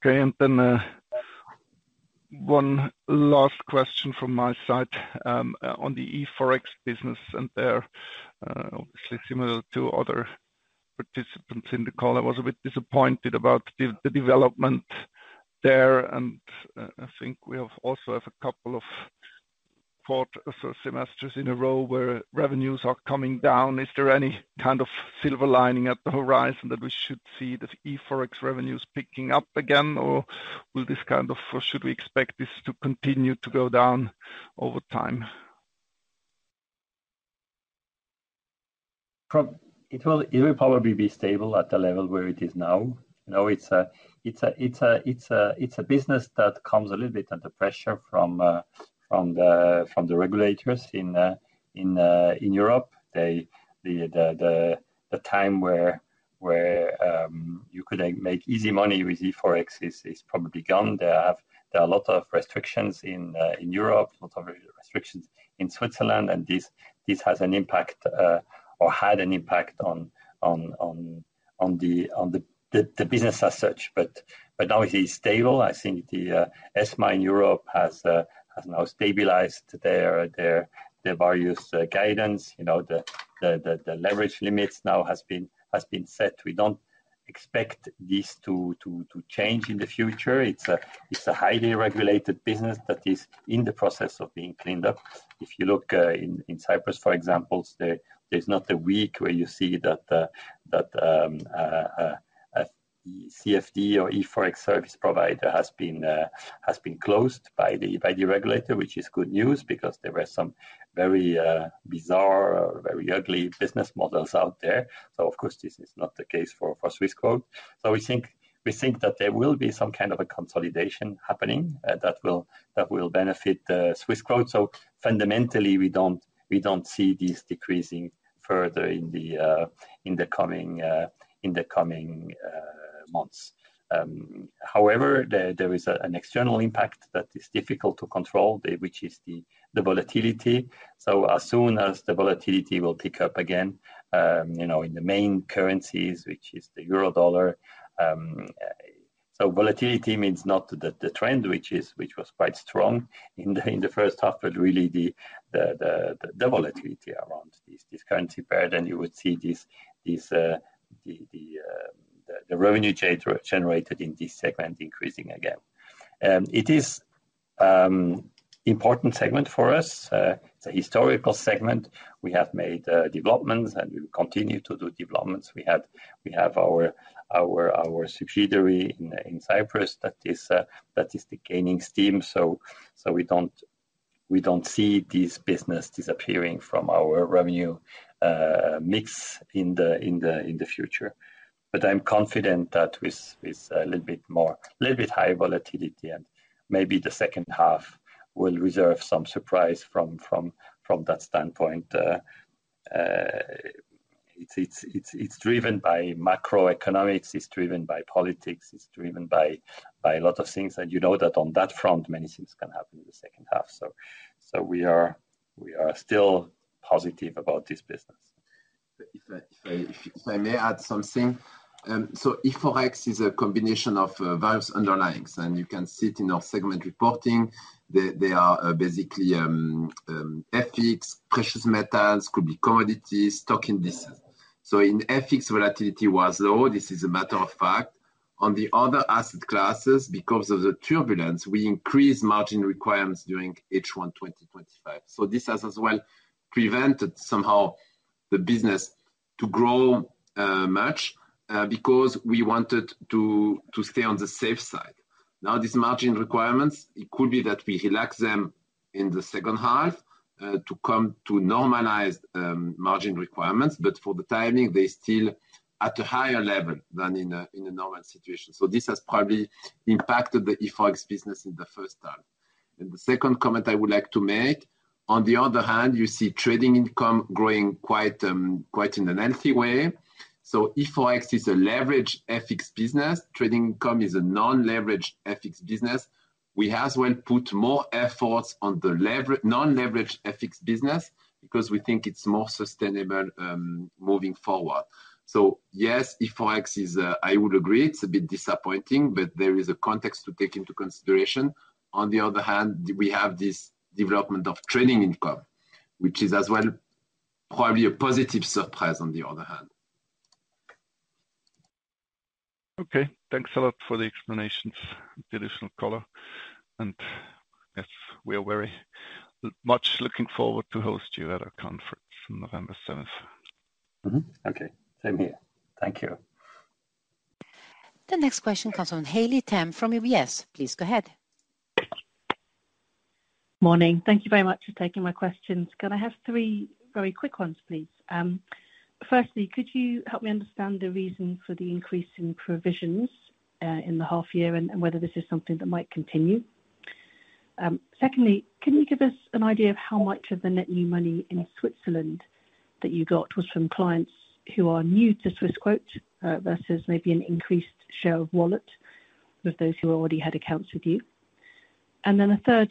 Okay, one last question from my side on the eForex business. There, obviously, similar to other participants in the call, I was a bit disappointed about the development there. I think we also have a couple of quarters or semesters in a row where revenues are coming down. Is there any kind of silver lining at the horizon that we should see the eForex revenues picking up again? Should we expect this to continue to go down over time? It will probably be stable at the level where it is now. Now, it's a business that comes a little bit under pressure from the regulators in Europe. The time where you could make easy money with eForex is probably gone. There are a lot of restrictions in Europe, a lot of restrictions in Switzerland. This has an impact or had an impact on the business as such. Now it is stable. I think the ESMA in Europe has now stabilized their various guidance. The leverage limits now have been set. We don't expect these to change in the future. It's a highly regulated business that is in the process of being cleaned up. If you look in Cyprus, for example, there's not a week where you see that the CFD or eForex service provider has been closed by the regulator, which is good news because there were some very bizarre, very ugly business models out there. This is not the case for Swissquote. We think that there will be some kind of a consolidation happening that will benefit Swissquote. Fundamentally, we don't see this decreasing further in the coming months. However, there is an external impact that is difficult to control, which is the volatility. As soon as the volatility will pick up again in the main currencies, which is the euro dollar, volatility means not that the trend, which was quite strong in the first half, but really the volatility around this currency pair. You would see the revenue change generated in this segment increasing again. It is an important segment for us. It's a historical segment. We have made developments, and we will continue to do developments. We have our subsidiary in Cyprus that is gaining steam. We don't see this business disappearing from our revenue mix in the future. I'm confident that with a little bit higher volatility and maybe the second half will reserve some surprise from that standpoint. It's driven by macroeconomics. It's driven by politics. It's driven by a lot of things. You know that on that front, many things can happen in the second half. We are still positive about this business. If I may add something, eForex is a combination of various underlyings. You can see it in our segment reporting. They are basically FX, precious metals, could be commodities, stock indices. In FX, volatility was low. This is a matter of fact. On the other asset classes, because of the turbulence, we increased margin requirements during H1 2025. This has as well prevented somehow the business to grow much because we wanted to stay on the safe side. Now, these margin requirements, it could be that we relax them in the second half to normalize margin requirements. For the time being, they're still at a higher level than in a normal situation. This has probably impacted the eForex business in the first term. The second comment I would like to make, on the other hand, you see trading income growing quite in a healthy way. eForex is a leveraged FX business. Trading income is a non-leveraged FX business. We as well put more efforts on the non-leveraged FX business because we think it's more sustainable moving forward. Yes, eForex, I would agree, it's a bit disappointing. There is a context to take into consideration. On the other hand, we have this development of trading income, which is as well probably a positive surprise on the other hand. Okay, that. Set you for the explanations in traditional color. We are very much looking forward to host you at our conference on November 7th. Okay, same here. Thank you. The next question comes from Haley Tam from UBS. Please go ahead. Good morning. Thank you very much for taking my questions. Can I have three very quick ones, please? Firstly, could you help me understand the reason for the increase in provisions in the half year and whether this is something that might continue? Secondly, can you give us an idea of how much of the net new money in Switzerland that you got was from clients who are new to Swissquote versus maybe an increased share of wallet with those who already had accounts with you? A third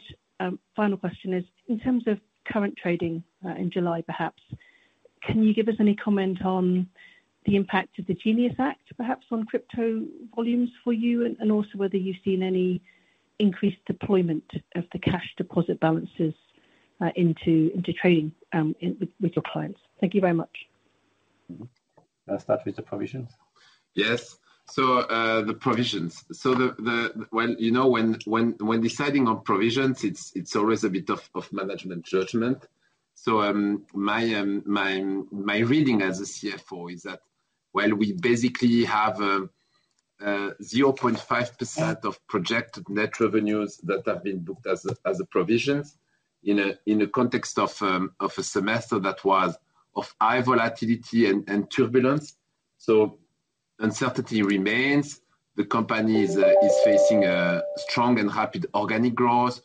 final question is, in terms of current trading in July, perhaps, can you give us any comment on the impact of the GENIUS Act, perhaps on crypto volumes for you and also whether you've seen any increased deployment of the cash deposit balances into trading with your clients? Thank you very much. I'll start with the provisions. Yes. The provisions. When deciding on provisions, it's always a bit of management judgment. My reading as a CFO is that while we basically have 0.5% of projected net revenues that have been booked as a provision in the context of a semester that was of high volatility and turbulence, uncertainty remains. The company is facing a strong and rapid organic growth.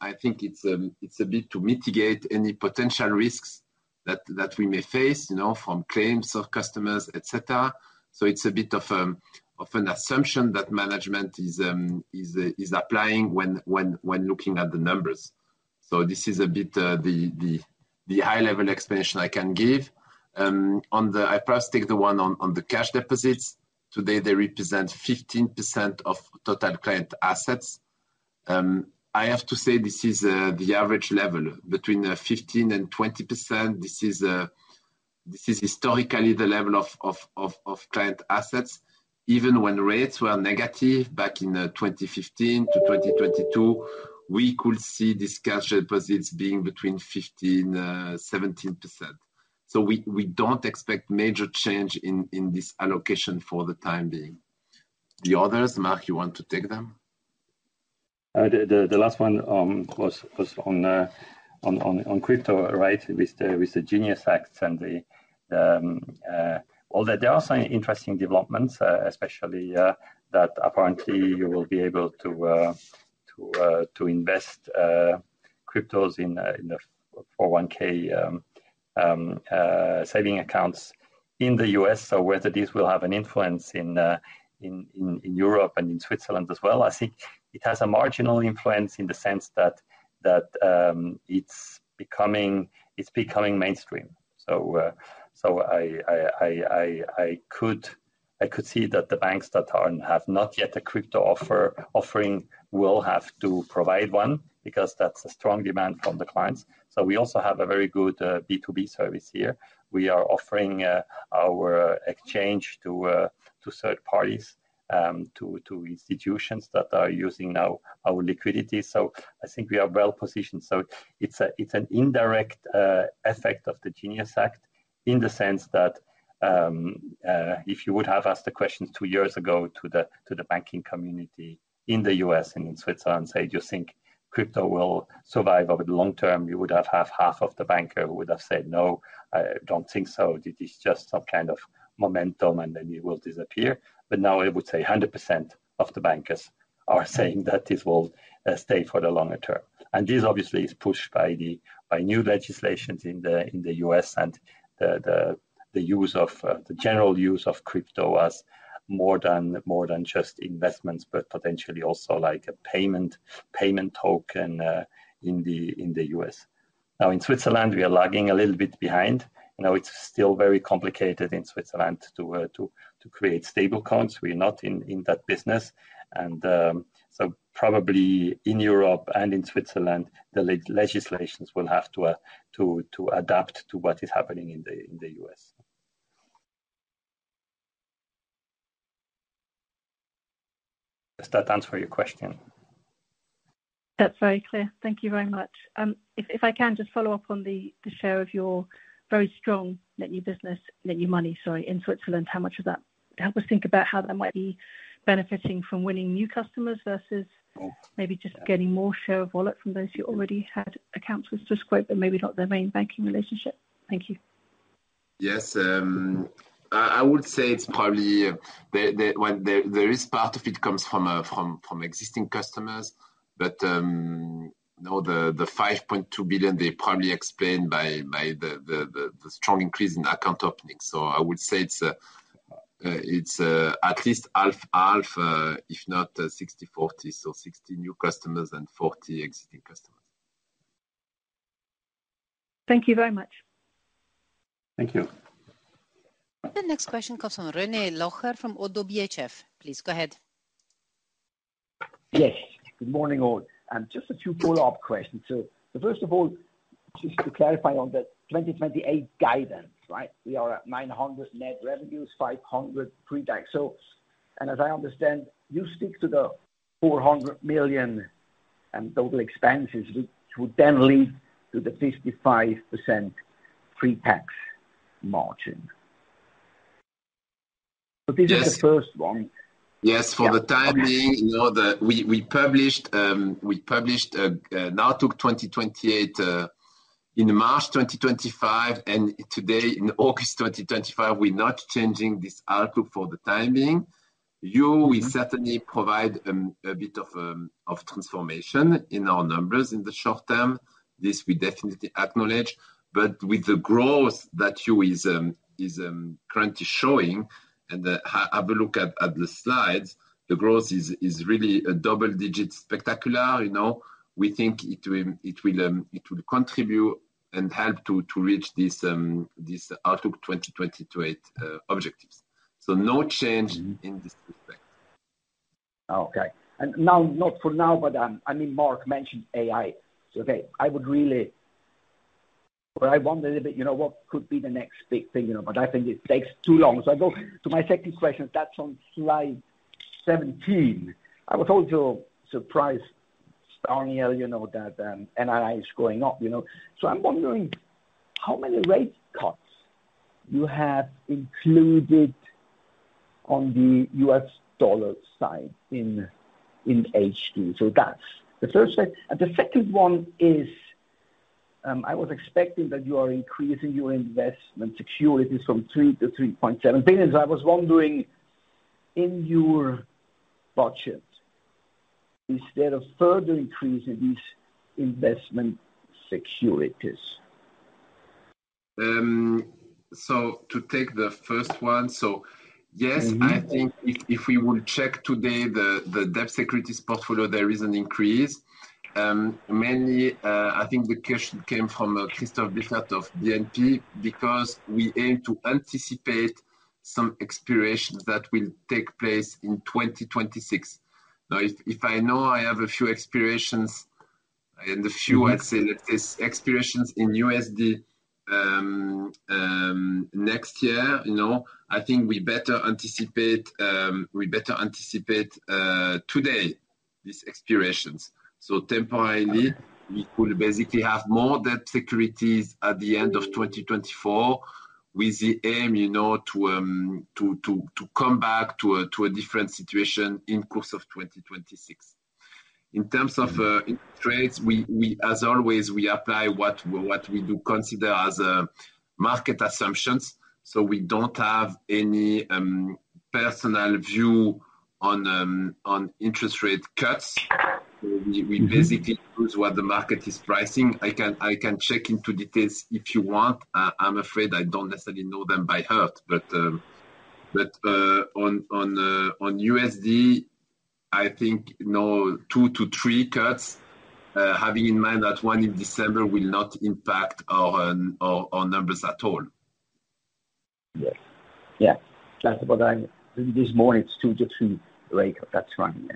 I think it's a bit to mitigate any potential risks that we may face from claims of customers, etc. It's a bit of an assumption that management is applying when looking at the numbers. This is a bit the high-level explanation I can give. I'll first take the one on the cash deposits. Today, they represent 15% of total client assets. I have to say this is the average level between 15% and 20%. This is historically the level of client assets. Even when rates were negative back in 2015 to 2022, we could see these cash deposits being between 15% and 17%. We don't expect major change in this allocation for the time being. The others, Marc, you want to take them? The last one was on crypto, right, with the GENIUS Act and all that. There are some interesting developments, especially that apparently you will be able to invest cryptos in the 401 (k) saving accounts in the U.S. Whether this will have an influence in Europe and in Switzerland as well, I think it has a marginal influence in the sense that it's becoming mainstream. I could see that the banks that have not yet a crypto offering will have to provide one because that's a strong demand from the clients. We also have a very good B2B service here. We are offering our exchange to third parties, to institutions that are using our liquidity. I think we are well positioned. It's an indirect effect of the GENIUS Act in the sense that if you would have asked the questions two years ago to the banking community in the U.S. and in Switzerland, do you think crypto will survive over the long term, you would have half of the bankers who would have said, no, I don't think so. It is just some kind of momentum and then it will disappear. Now I would say 100% of the bankers are saying that this will stay for the longer term. This obviously is pushed by new legislations in the U.S. and the general use of crypto as more than just investments, but potentially also like a payment token in the U.S. In Switzerland, we are lagging a little bit behind. It's still very complicated in Switzerland to create stable counts. We're not in that business. Probably in Europe and in Switzerland, the legislations will have to adapt to what is happening in the U.S. Does that answer your question? That's very clear. Thank you very much. If I can just follow up on the share of your very strong net new business, net new money, in Switzerland, how much of that, help us think about how that might be benefiting from winning new customers versus maybe just getting more share of wallet from those who already had accounts with Swissquote but maybe not their main banking relationship. Thank you. Yes. I would say it's probably there is part of it comes from existing customers. Now, the 5.2 billion, they probably explain by the strong increase in account opening. I would say it's at least half, half, if not 60/40. 60 new customers and 40 existing customers. Thank you very much. Thank you. The next question comes from René Locher from ODDO BHF. Please go ahead. Good morning all. Just a few follow-up questions. First of all, just to clarify on the 2028 guidance, right, we are at 900 million net revenues, 500 million pre-tax. As I understand, you stick to the 400 million total expenses, which would then lead to the 55% pre-tax margin. This is the first one. Yes. For the time being, you know that we published an outlook 2028 in March 2025. Today, in August 2025, we're not changing this outlook for the time being. It will certainly provide a bit of transformation in our numbers in the short term. This we definitely acknowledge. With the growth that you are currently showing, and have a look at the slides, the growth is really a double-digit spectacular. You know, we think it will contribute and help to reach these outlook 2028 objectives. No change in this respect. Okay. Marc mentioned AI. I would really, but I wonder a little bit, you know, what could be the next big thing, you know, but I think it takes too long. I go to my second question. That's on slide 17. I was also surprised, Sonia, you know, that NII is going up, you know. I'm wondering how many rate cuts you have included on the US dollar side in HQ. That's the first thing. The second one is, I was expecting that you are increasing your investment securities from $2 billion-$3.7 billion. I was wondering, in your budget, is there a further increase in these investment securities? To take the first one, yes, I think if we would check today the debt securities portfolio, there is an increase. Mainly, I think the cash came from Christoph Blieffert of BNP because we aim to anticipate some expirations that will take place in 2026. Now, if I know I have a few expirations, and a few, let's say, expirations in USD next year, I think we better anticipate today these expirations. Temporarily, we could basically have more debt securities at the end of 2024 with the aim to come back to a different situation in the course of 2026. In terms of trades, we, as always, apply what we do consider as market assumptions. We don't have any personal view on interest rate cuts. We basically choose what the market is pricing. I can check into details if you want. I'm afraid I don't necessarily know them by heart. On USD, I think, two to three cuts, having in mind that one in December will not impact our numbers at all. Yes. Yeah. That's about, I mean, this morning, it's two to three rate cuts. That's fine.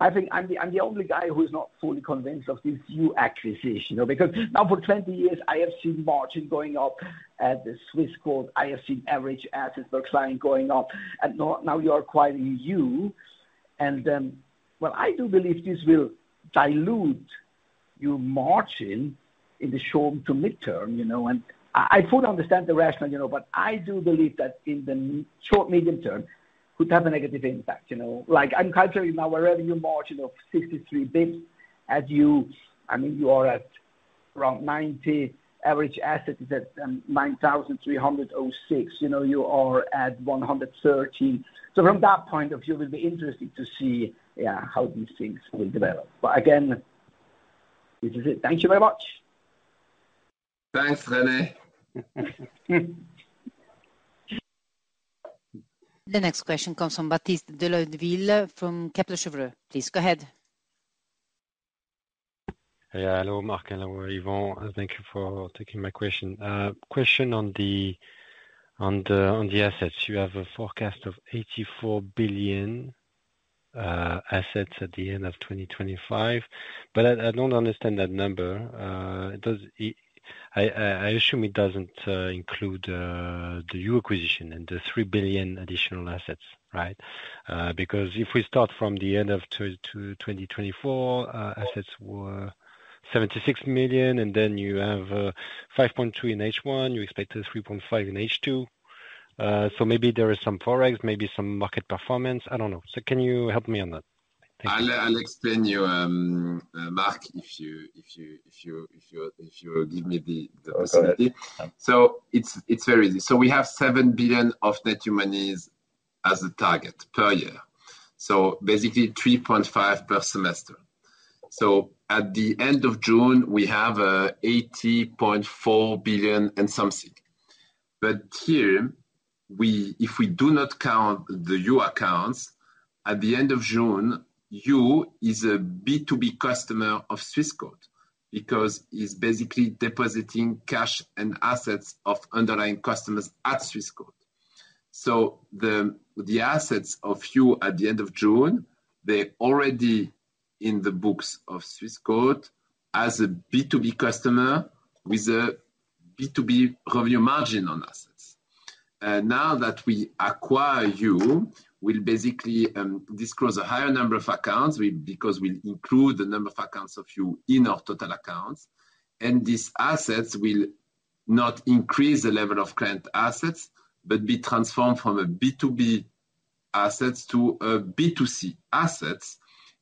I think I'm the only guy who is not fully convinced of this new acquisition because now for 20 years, I have seen margin going up at Swissquote. I have seen average assets per client going up. Now you are acquiring Yuh. I do believe this will dilute your margin in the short to mid-term. You know, I fully understand the rationale, you know, but I do believe that in the short, medium term, it could have a negative impact. I'm kind of saying now, wherever your margin of 63 bps as Yuh, I mean, you are at around 90, average asset is at 9,306. You are at 113,000. From that point of view, it will be interesting to see how these things will develop. Again, this is it. Thank you very much. Thanks, René. The next question comes from Baptiste De Leudeville from Kepler Cheuvreux. Please go ahead. Hello, Marc. Hello, Yvan. Thank you for taking my question. Question on the assets. You have a forecast of 84 billion assets at the end of 2025. I don't understand that number. I assume it doesn't include the new acquisition and the 3 billion additional assets, right? If we start from the end of 2024, assets were 76 billion, and then you have 5.3 billion in H1. You expect a 3.5 billion in H2. Maybe there is some forex, maybe some market performance. I don't know. Can you help me on that? I'll explain to you, Marc, if you give me the possibility. It's very easy. We have 7 billion of net new monies as a target per year, basically 3.5 billion per semester. At the end of June, we have 80.4 billion and something. Here, if we do not count the new accounts, at the end of June, you are a B2B customer of Swissquote because it's basically depositing cash and assets of underlying customers at Swissquote. The assets of Yuh at the end of June are already in the books of Swissquote as a B2B customer with a B2B revenue margin on assets. Now that we acquire Yuh, we'll disclose a higher number of accounts because we'll include the number of accounts of Yuh in our total accounts. These assets will not increase the level of client assets, but be transformed from B2B assets to B2C assets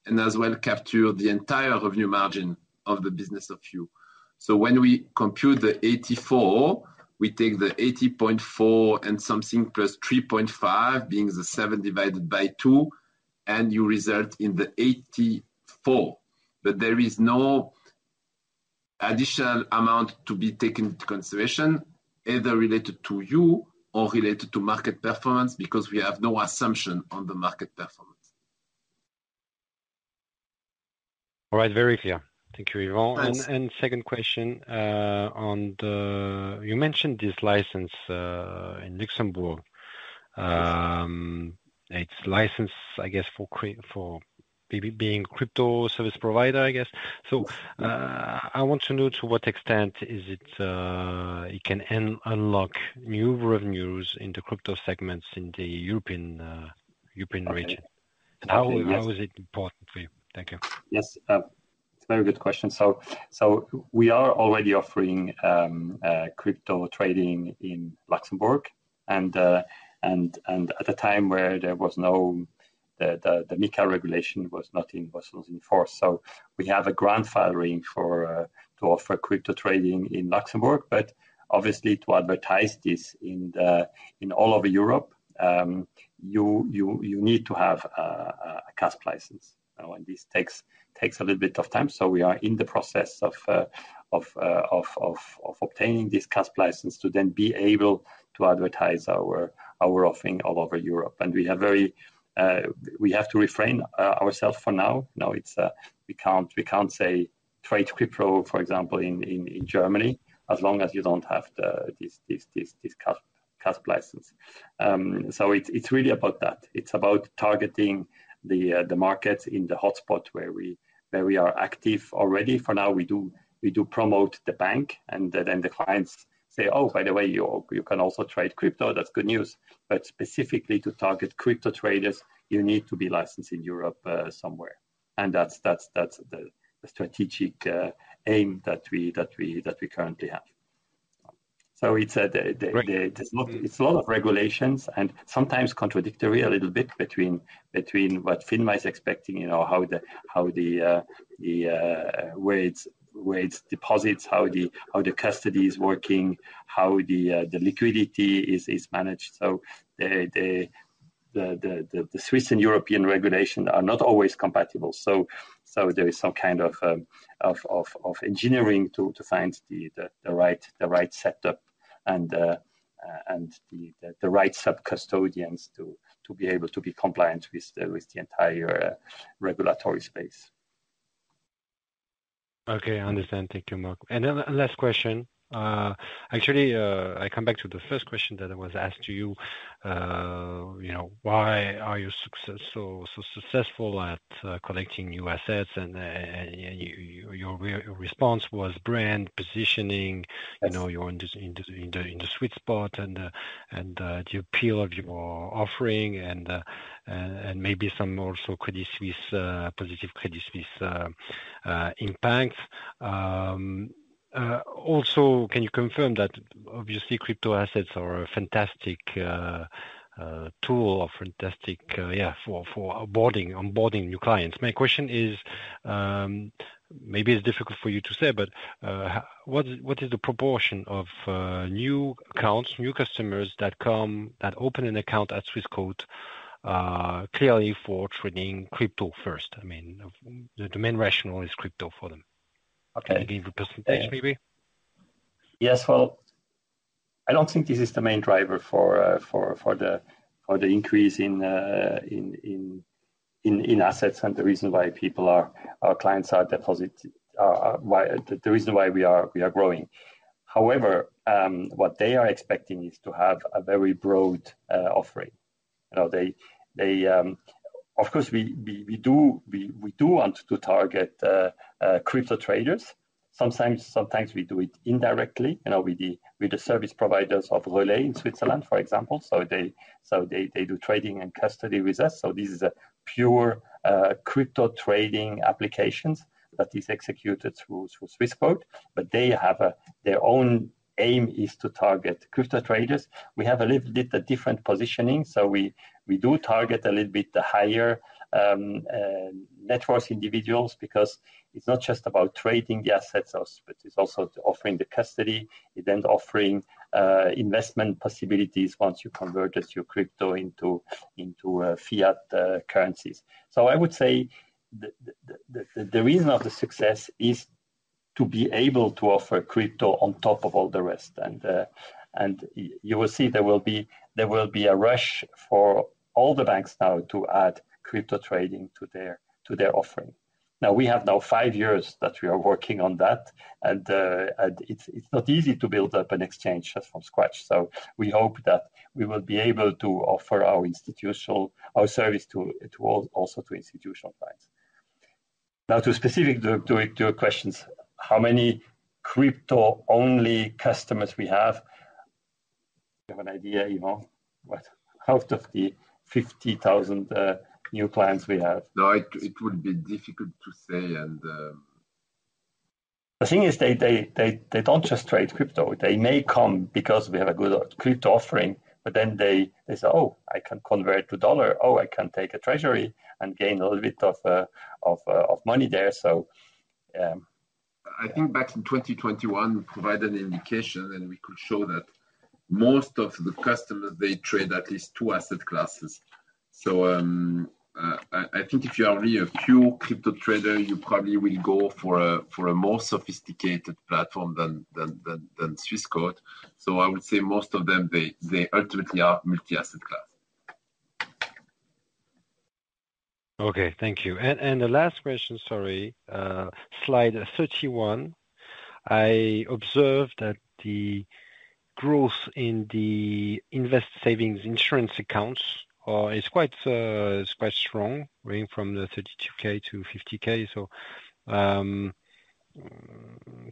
and as well capture the entire revenue margin of the business of Yuh. When we compute the 84 billion, we take the 80.4 billion and something plus 3.5 billion, being the 7 divided by 2, and you result in the 84 billion. There is no additional amount to be taken into consideration, either related to Yuh or related to market performance because we have no assumption on the market performance. All right. Very clear. Thank you, Yvan. Second question, you mentioned this license in Luxembourg. It's a license, I guess, for maybe being a crypto service provider, I guess. I want to know to what extent it can unlock new revenues in the crypto segments in the European region. How is it important for you? Thank you. Yes. It's a very good question. We are already offering crypto trading in Luxembourg at a time where the MiCA regulation was not in force. We have a grand filing to offer crypto trading in Luxembourg. Obviously, to advertise this all over Europe, you need to have a CASP license. This takes a little bit of time. We are in the process of obtaining this CASP license to then be able to advertise our offering all over Europe. We have to refrain ourselves for now. We can't say trade crypto, for example, in Germany as long as you don't have this CASP license. It's really about that. It's about targeting the markets in the hotspot where we are active already. For now, we do promote the bank, and then the clients say, oh, by the way, you can also trade crypto. That's good news. Specifically, to target crypto traders, you need to be licensed in Europe somewhere. That's the strategic aim that we currently have. It's a lot of regulations and sometimes contradictory a little bit between what FINMA is expecting, you know, how the way it deposits, how the custody is working, how the liquidity is managed. The Swiss and European regulations are not always compatible. There is some kind of engineering to find the right setup and the right sub-custodians to be able to be compliant with the entire regulatory space. Okay. I understand. Thank you, Marc. Last question. Actually, I come back to the first question that I was asked to you. You know, why are you so successful at collecting new assets? Your response was brand positioning, you know, you're in the sweet spot and you peel up your offering and maybe some also positive Credit Suisse impacts. Also, can you confirm that obviously crypto assets are a fantastic tool or fantastic, yeah, for onboarding new clients? My question is, maybe it's difficult for you to say, but what is the proportion of new accounts, new customers that come, that open an account at Swissquote clearly for trading crypto first? I mean, the main rationale is crypto for them. Can you give a percentage maybe? I don't think this is the main driver for the increase in assets and the reason why people are, our clients are depositing, the reason why we are growing. However, what they are expecting is to have a very broad offering. You know, of course, we do want to target crypto traders. Sometimes we do it indirectly. You know, we're the service providers of Relai in Switzerland, for example. They do trading and custody with us. This is a pure crypto trading application that is executed through Swissquote. Their own aim is to target crypto traders. We have a little bit of different positioning. We do target a little bit the higher net worth individuals because it's not just about trading the assets, but it's also offering the custody. It ends up offering investment possibilities once you convert your crypto into fiat currencies. I would say the reason of the success is to be able to offer crypto on top of all the rest. You will see there will be a rush for all the banks now to add crypto trading to their offering. We have now five years that we are working on that. It's not easy to build up an exchange just from scratch. We hope that we will be able to offer our service also to institutional clients. Now, to specific your questions, how many crypto-only customers we have? Do you have an idea, Yvan, out of the 50,000 new clients we have? No, it would be difficult to say. The thing is, they don't just trade crypto. They may come because we have a good crypto offering, but then they say, oh, I can convert it to dollar. Oh, I can take a treasury and gain a little bit of money there. I think back in 2021, we provided an indication, and we could show that most of the customers trade at least two asset classes. I think if you are really a pure crypto trader, you probably will go for a more sophisticated platform than Swissquote. I would say most of them ultimately are multi-asset class. Thank you. The last question, sorry, slide 31. I observed that the growth in the invest savings insurance accounts is quite strong, ranging from 32,000-50,000.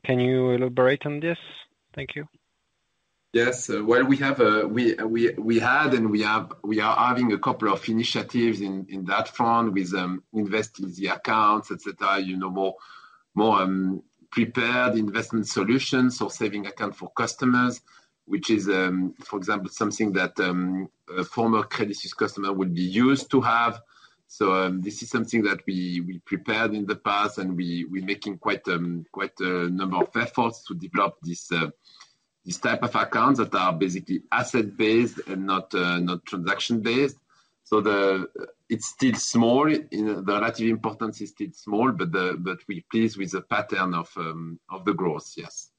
Can you elaborate on this? Thank you. Yes. We have had and we are having a couple of initiatives in that fund with invest easy accounts, etc., you know, more prepared investment solutions or saving accounts for customers, which is, for example, something that a former Credit Suisse customer would be used to have. This is something that we prepared in the past and we're making quite a number of efforts to develop this type of accounts that are basically asset-based and not transaction-based. It's still small. The relative importance is still small, but we're pleased with the pattern of the growth, yes.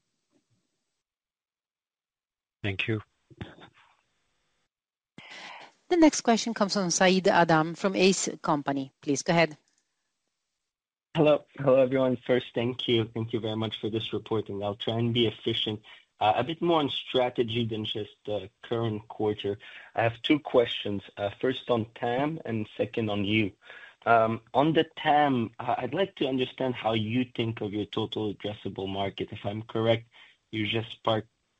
Thank you. The next question comes from Said Adam from ACE Company. Please go ahead. Hello. Hello, everyone. First, thank you. Thank you very much for this reporting. I'll try and be efficient, a bit more on strategy than just the current quarter. I have two questions. First on TAM and second on Yuh. On the TAM, I'd like to understand how you think of your total addressable market. If I'm correct, you just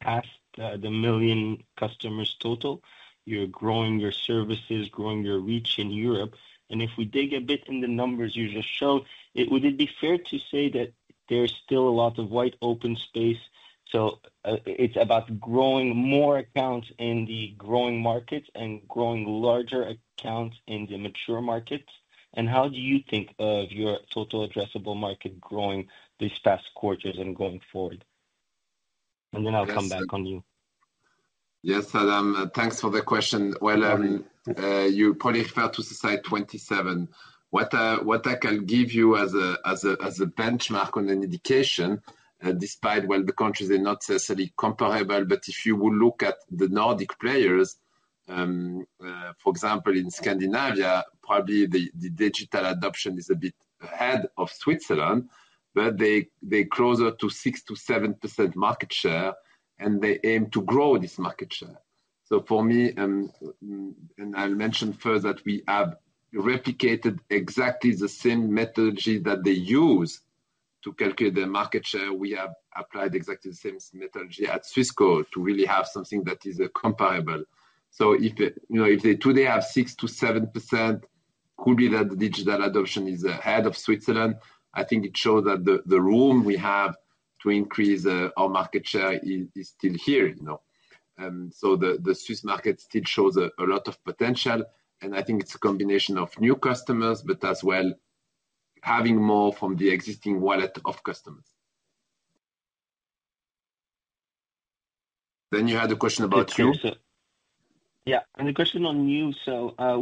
passed the million customers total. You're growing your services, growing your reach in Europe. If we dig a bit in the numbers you just show, would it be fair to say that there's still a lot of wide open space? It's about growing more accounts in the growing markets and growing larger accounts in the mature markets. How do you think of your total addressable market growing these past quarters and going forward? I'll come back on Yuh. Yes, Adam, thanks for the question. You probably prefer to say 27. What I can give you as a benchmark on an indication, despite the countries are not necessarily comparable, but if you look at the Nordic players, for example, in Scandinavia, probably the digital adoption is a bit ahead of Switzerland, but they're closer to 6%-7% market share, and they aim to grow this market share. For me, and I'll mention first that we have replicated exactly the same methodology that they use to calculate their market share. We have applied exactly the same methodology Swissquote to really have something that is comparable. If they today have 6%-7%, it could be that the digital adoption is ahead of Switzerland. I think it shows that the room we have to increase our market share is still here. The Swiss market still shows a lot of potential. I think it's a combination of new customers, but as well having more from the existing wallet of customers. You had a question about you. Yeah. The question on Yuh.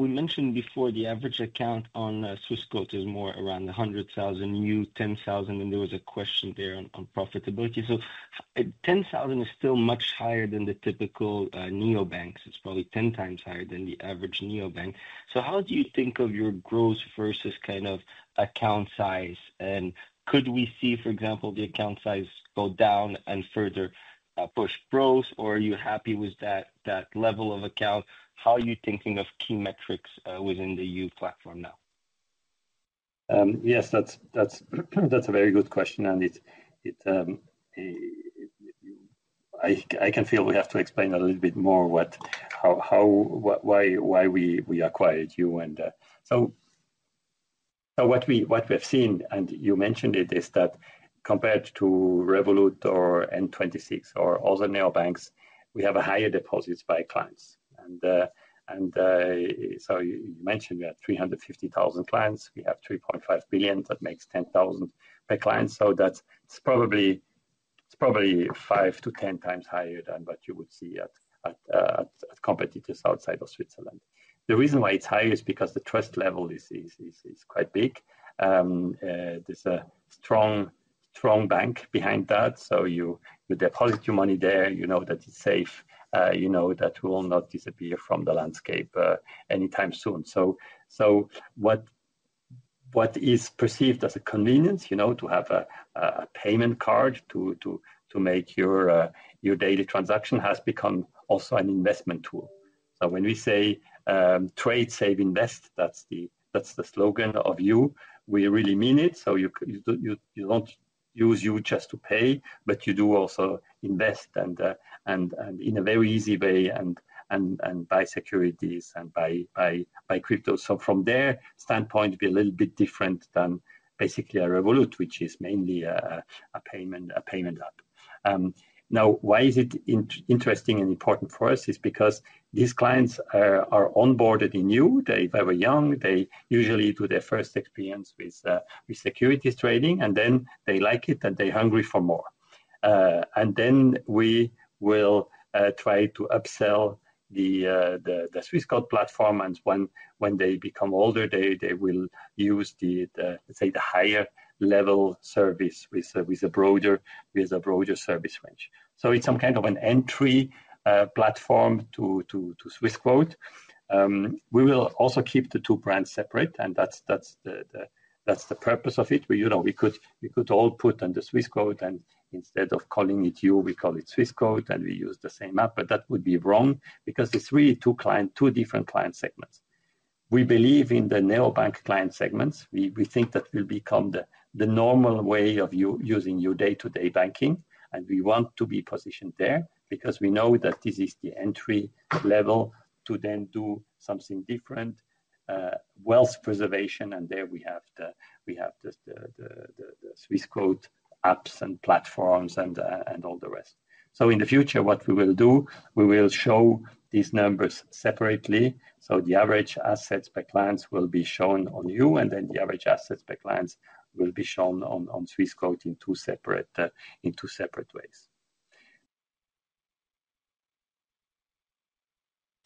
We mentioned before the average account on Swissquote is more around 100,000, Yuh 10,000, and there was a question there on profitability. 10,000 is still much higher than the typical neobanks. It's probably 10 times higher than the average neobank. How do you think of your growth versus kind of account size? Could we see, for example, the account size go down and further push growth, or are you happy with that level of account? How are you thinking of key metrics within the new platform now? Yes, that's a very good question. I can feel we have to explain a little bit more why we acquired Yuh. What we have seen, and you mentioned it, is that compared to Revolut or N26 or all the neobanks, we have a higher deposit by clients. You mentioned we have 350,000 clients. We have 3.5 billion. That makes 10,000 per client. That's probably 5x to 10x higher than what you would see at competitors outside of Switzerland. The reason why it's higher is because the trust level is quite big. There's a strong bank behind that. You deposit your money there. You know that it's safe. You know that we will not disappear from the landscape anytime soon. What is perceived as a convenience, to have a payment card to make your daily transaction, has become also an investment tool. When we say, "Trade, save, invest," that's the slogan of Yuh. We really mean it. You don't use Yuh just to pay, but you do also invest and in a very easy way and buy securities and buy crypto. From their standpoint, it would be a little bit different than basically a Revolut, which is mainly a payment app. Now, why is it interesting and important for us is because these clients are onboarded in Yuh. They were young. They usually do their first experience with securities trading. They like it and they're hungry for more. We will try to upsell the Swissquote platform. When they become older, they will use the, let's say, the higher-level service with a broader service range. It's some kind of an entry platform to Swissquote. We will also keep the two brands separate, and that's the purpose of it. We could all put under Swissquote, and instead of calling it Yuh, we call it Swissquote, and we use the same app. That would be wrong because it's really two different client segments. We believe in the neobank client segments. We think that will become the normal way of using your day-to-day banking. We want to be positioned there because we know that this is the entry level to then do something different, wealth preservation. There we have the Swissquote apps and platforms and all the rest. In the future, what we will do, we will show these numbers separately. The average assets per client will be shown on Yuh, and then the average assets per client will be shown on Swissquote in two separate ways.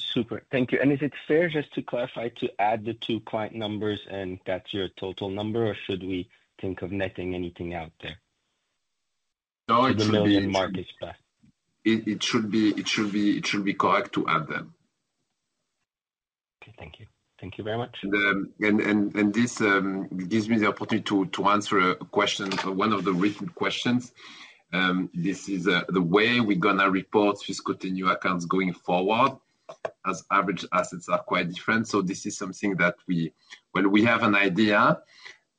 Super. Thank you. Is it fair, just to clarify, to add the two client numbers and that's your total number, or should we think of netting anything out there? It should be correct to add them. Okay, thank you. Thank you very much. This gives me the opportunity to answer a question for one of the written questions. This is the way we're going to report Swissquote new accounts going forward, as average assets are quite different. This is something that we have an idea,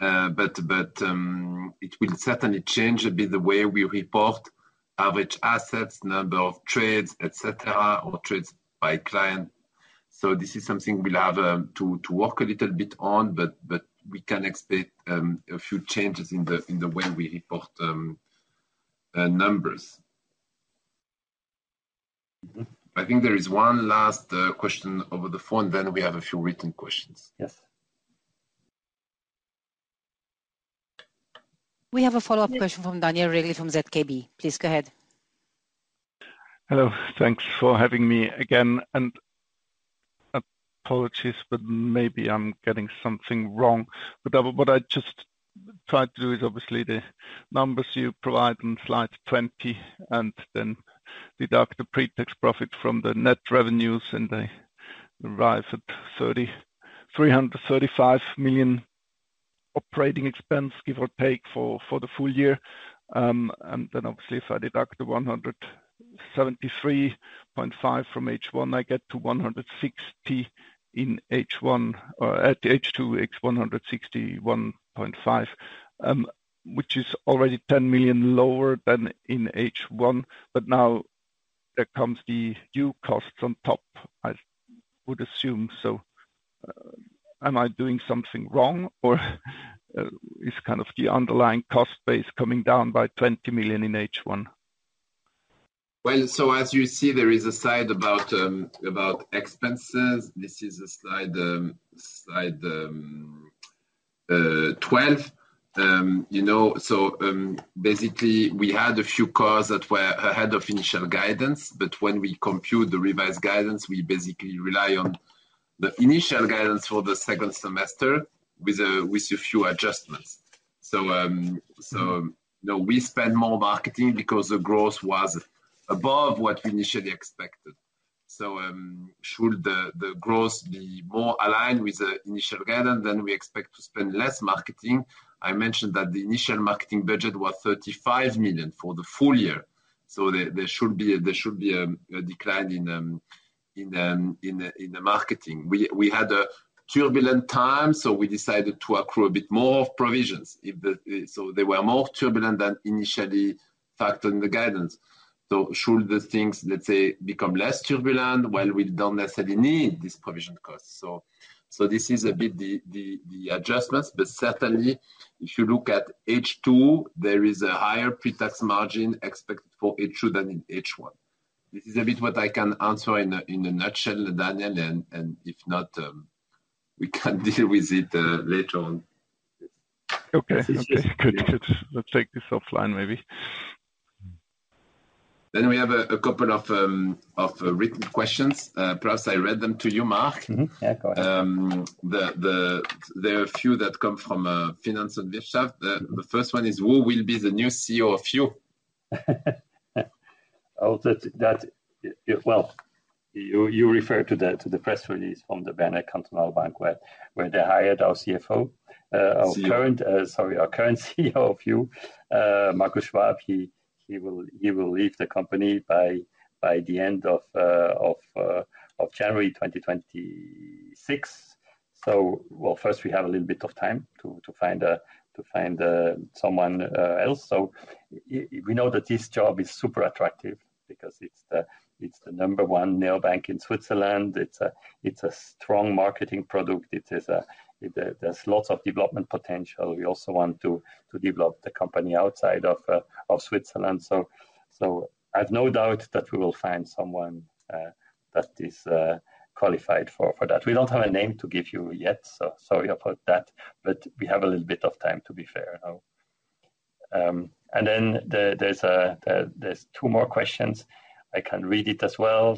but it will certainly change a bit the way we report average assets, number of trades, etc., or trades by client. This is something we'll have to work a little bit on, but we can expect a few changes in the way we report numbers. I think there is one last question over the phone. We have a few written questions. We have a follow-up question from Daniel Regli from ZKB. Please go ahead. Hello. Thanks for having me again. Apologies, but maybe I'm getting something wrong. What I just tried to do is obviously the numbers you provide on slide 20 and then deduct the pre-tax profit from the net revenues, and they arrive at $335 million operating expense, give or take, for the full year. If I deduct the $173.5 million from H1, I get to $161.5 million in H2, which is already $10 million lower than in H1. Now there comes the new costs on top, I would assume. Am I doing something wrong or is kind of the underlying cost base coming down by $20 million in H1? As you see, there is a slide about expenses. This is slide 12. Basically, we had a few costs that were ahead of initial guidance. When we compute the revised guidance, we basically rely on the initial guidance for the second semester with a few adjustments. We spent more on marketing because the growth was above what we initially expected. Should the growth be more aligned with the initial guidance, we expect to spend less on marketing. I mentioned that the initial marketing budget was 35 million for the full year. There should be a decline in the marketing. We had a turbulent time, so we decided to approve a bit more of provisions. They were more turbulent than initially factored in the guidance. Should things become less turbulent, we don't necessarily need these provision costs. These are the adjustments. Certainly, if you look at H2, there is a higher pre-tax margin expected for H2 than in H1. This is what I can answer in a nutshell, Daniel. If not, we can deal with it later on. Okay. Let's take this offline, maybe. We have a couple of written questions. Plus, I read them to you, Marc. Yeah, go ahead. There are a few that come from Finance and [Bischaf]. The first one is, who will be the new CEO of Yuh? You refer to the press release from the Banner Continental Bank where they hired our CFO, our current, sorry, our current CEO of Yuh, Marco Schwab. He will leave the company by the end of January 2026. First, we have a little bit of time to find someone else. We know that this job is super attractive because it's the number one neobank in Switzerland. It's a strong marketing product. There's lots of development potential. We also want to develop the company outside of Switzerland. I have no doubt that we will find someone that is qualified for that. We don't have a name to give you yet, sorry about that. We have a little bit of time, to be fair now. There are two more questions. I can read it as well.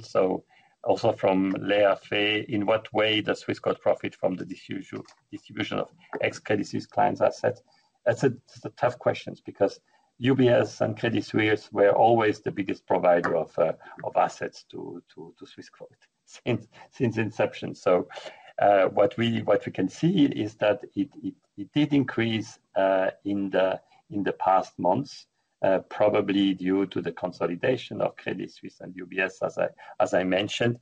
Also from Léa Faye: In what way does Swissquote profit from the distribution of ex-Credit Suisse clients' assets? That's a tough question because UBS and Credit Suisse were always the biggest provider of assets to Swissquote since inception. What we can see is that it did increase in the past months, probably due to the consolidation of Credit Suisse and UBS, as I mentioned.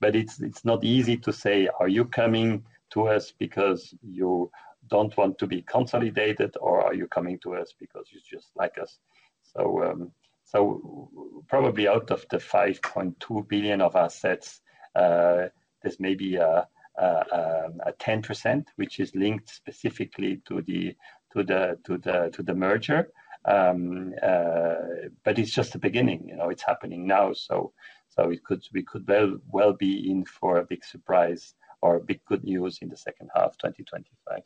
It's not easy to say, are you coming to us because you don't want to be consolidated or are you coming to us because you just like us? Probably out of the 5.2 billion of assets, there's maybe a 10% which is linked specifically to the merger. It's just the beginning. You know, it's happening now. We could well be in for a big surprise or big good news in the second half of 2025.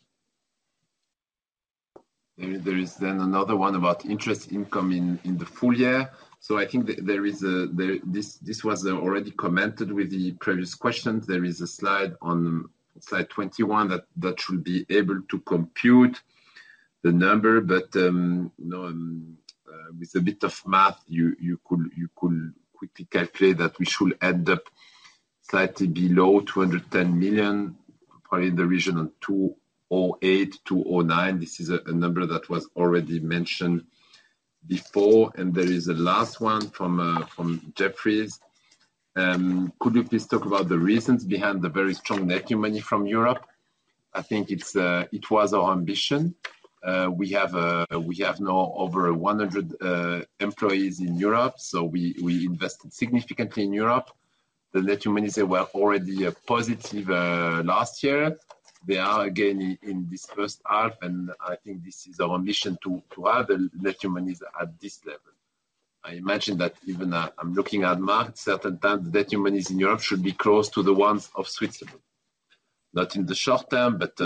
There is then another one about interest incoming in the full year. I think this was already commented with the previous question. There is a slide on slide 21 that should be able to compute the number. With a bit of math, you could quickly calculate that we should end up slightly below 210 million, probably in the region of 208, 209. This is a number that was already mentioned before. There is a last one from Jefferies. Could you please talk about the reasons behind the very strong net new money from Europe? I think it was our ambition. We have now over 100 employees in Europe. We invested significantly in Europe. The net new money, they were already positive last year. They are again in this first half. I think this is our ambition to have the net new money at this level. I imagine that even, I'm looking at Marc, certain times, the net new money in Europe should be close to the ones of Switzerland. Not in the short term, but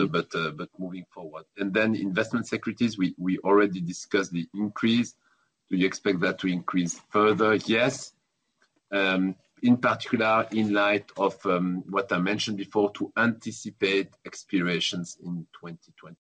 moving forward. Investment securities, we already discussed the increase. Do you expect that to increase further? Yes. In particular, in light of what I mentioned before, to anticipate expirations in 2024.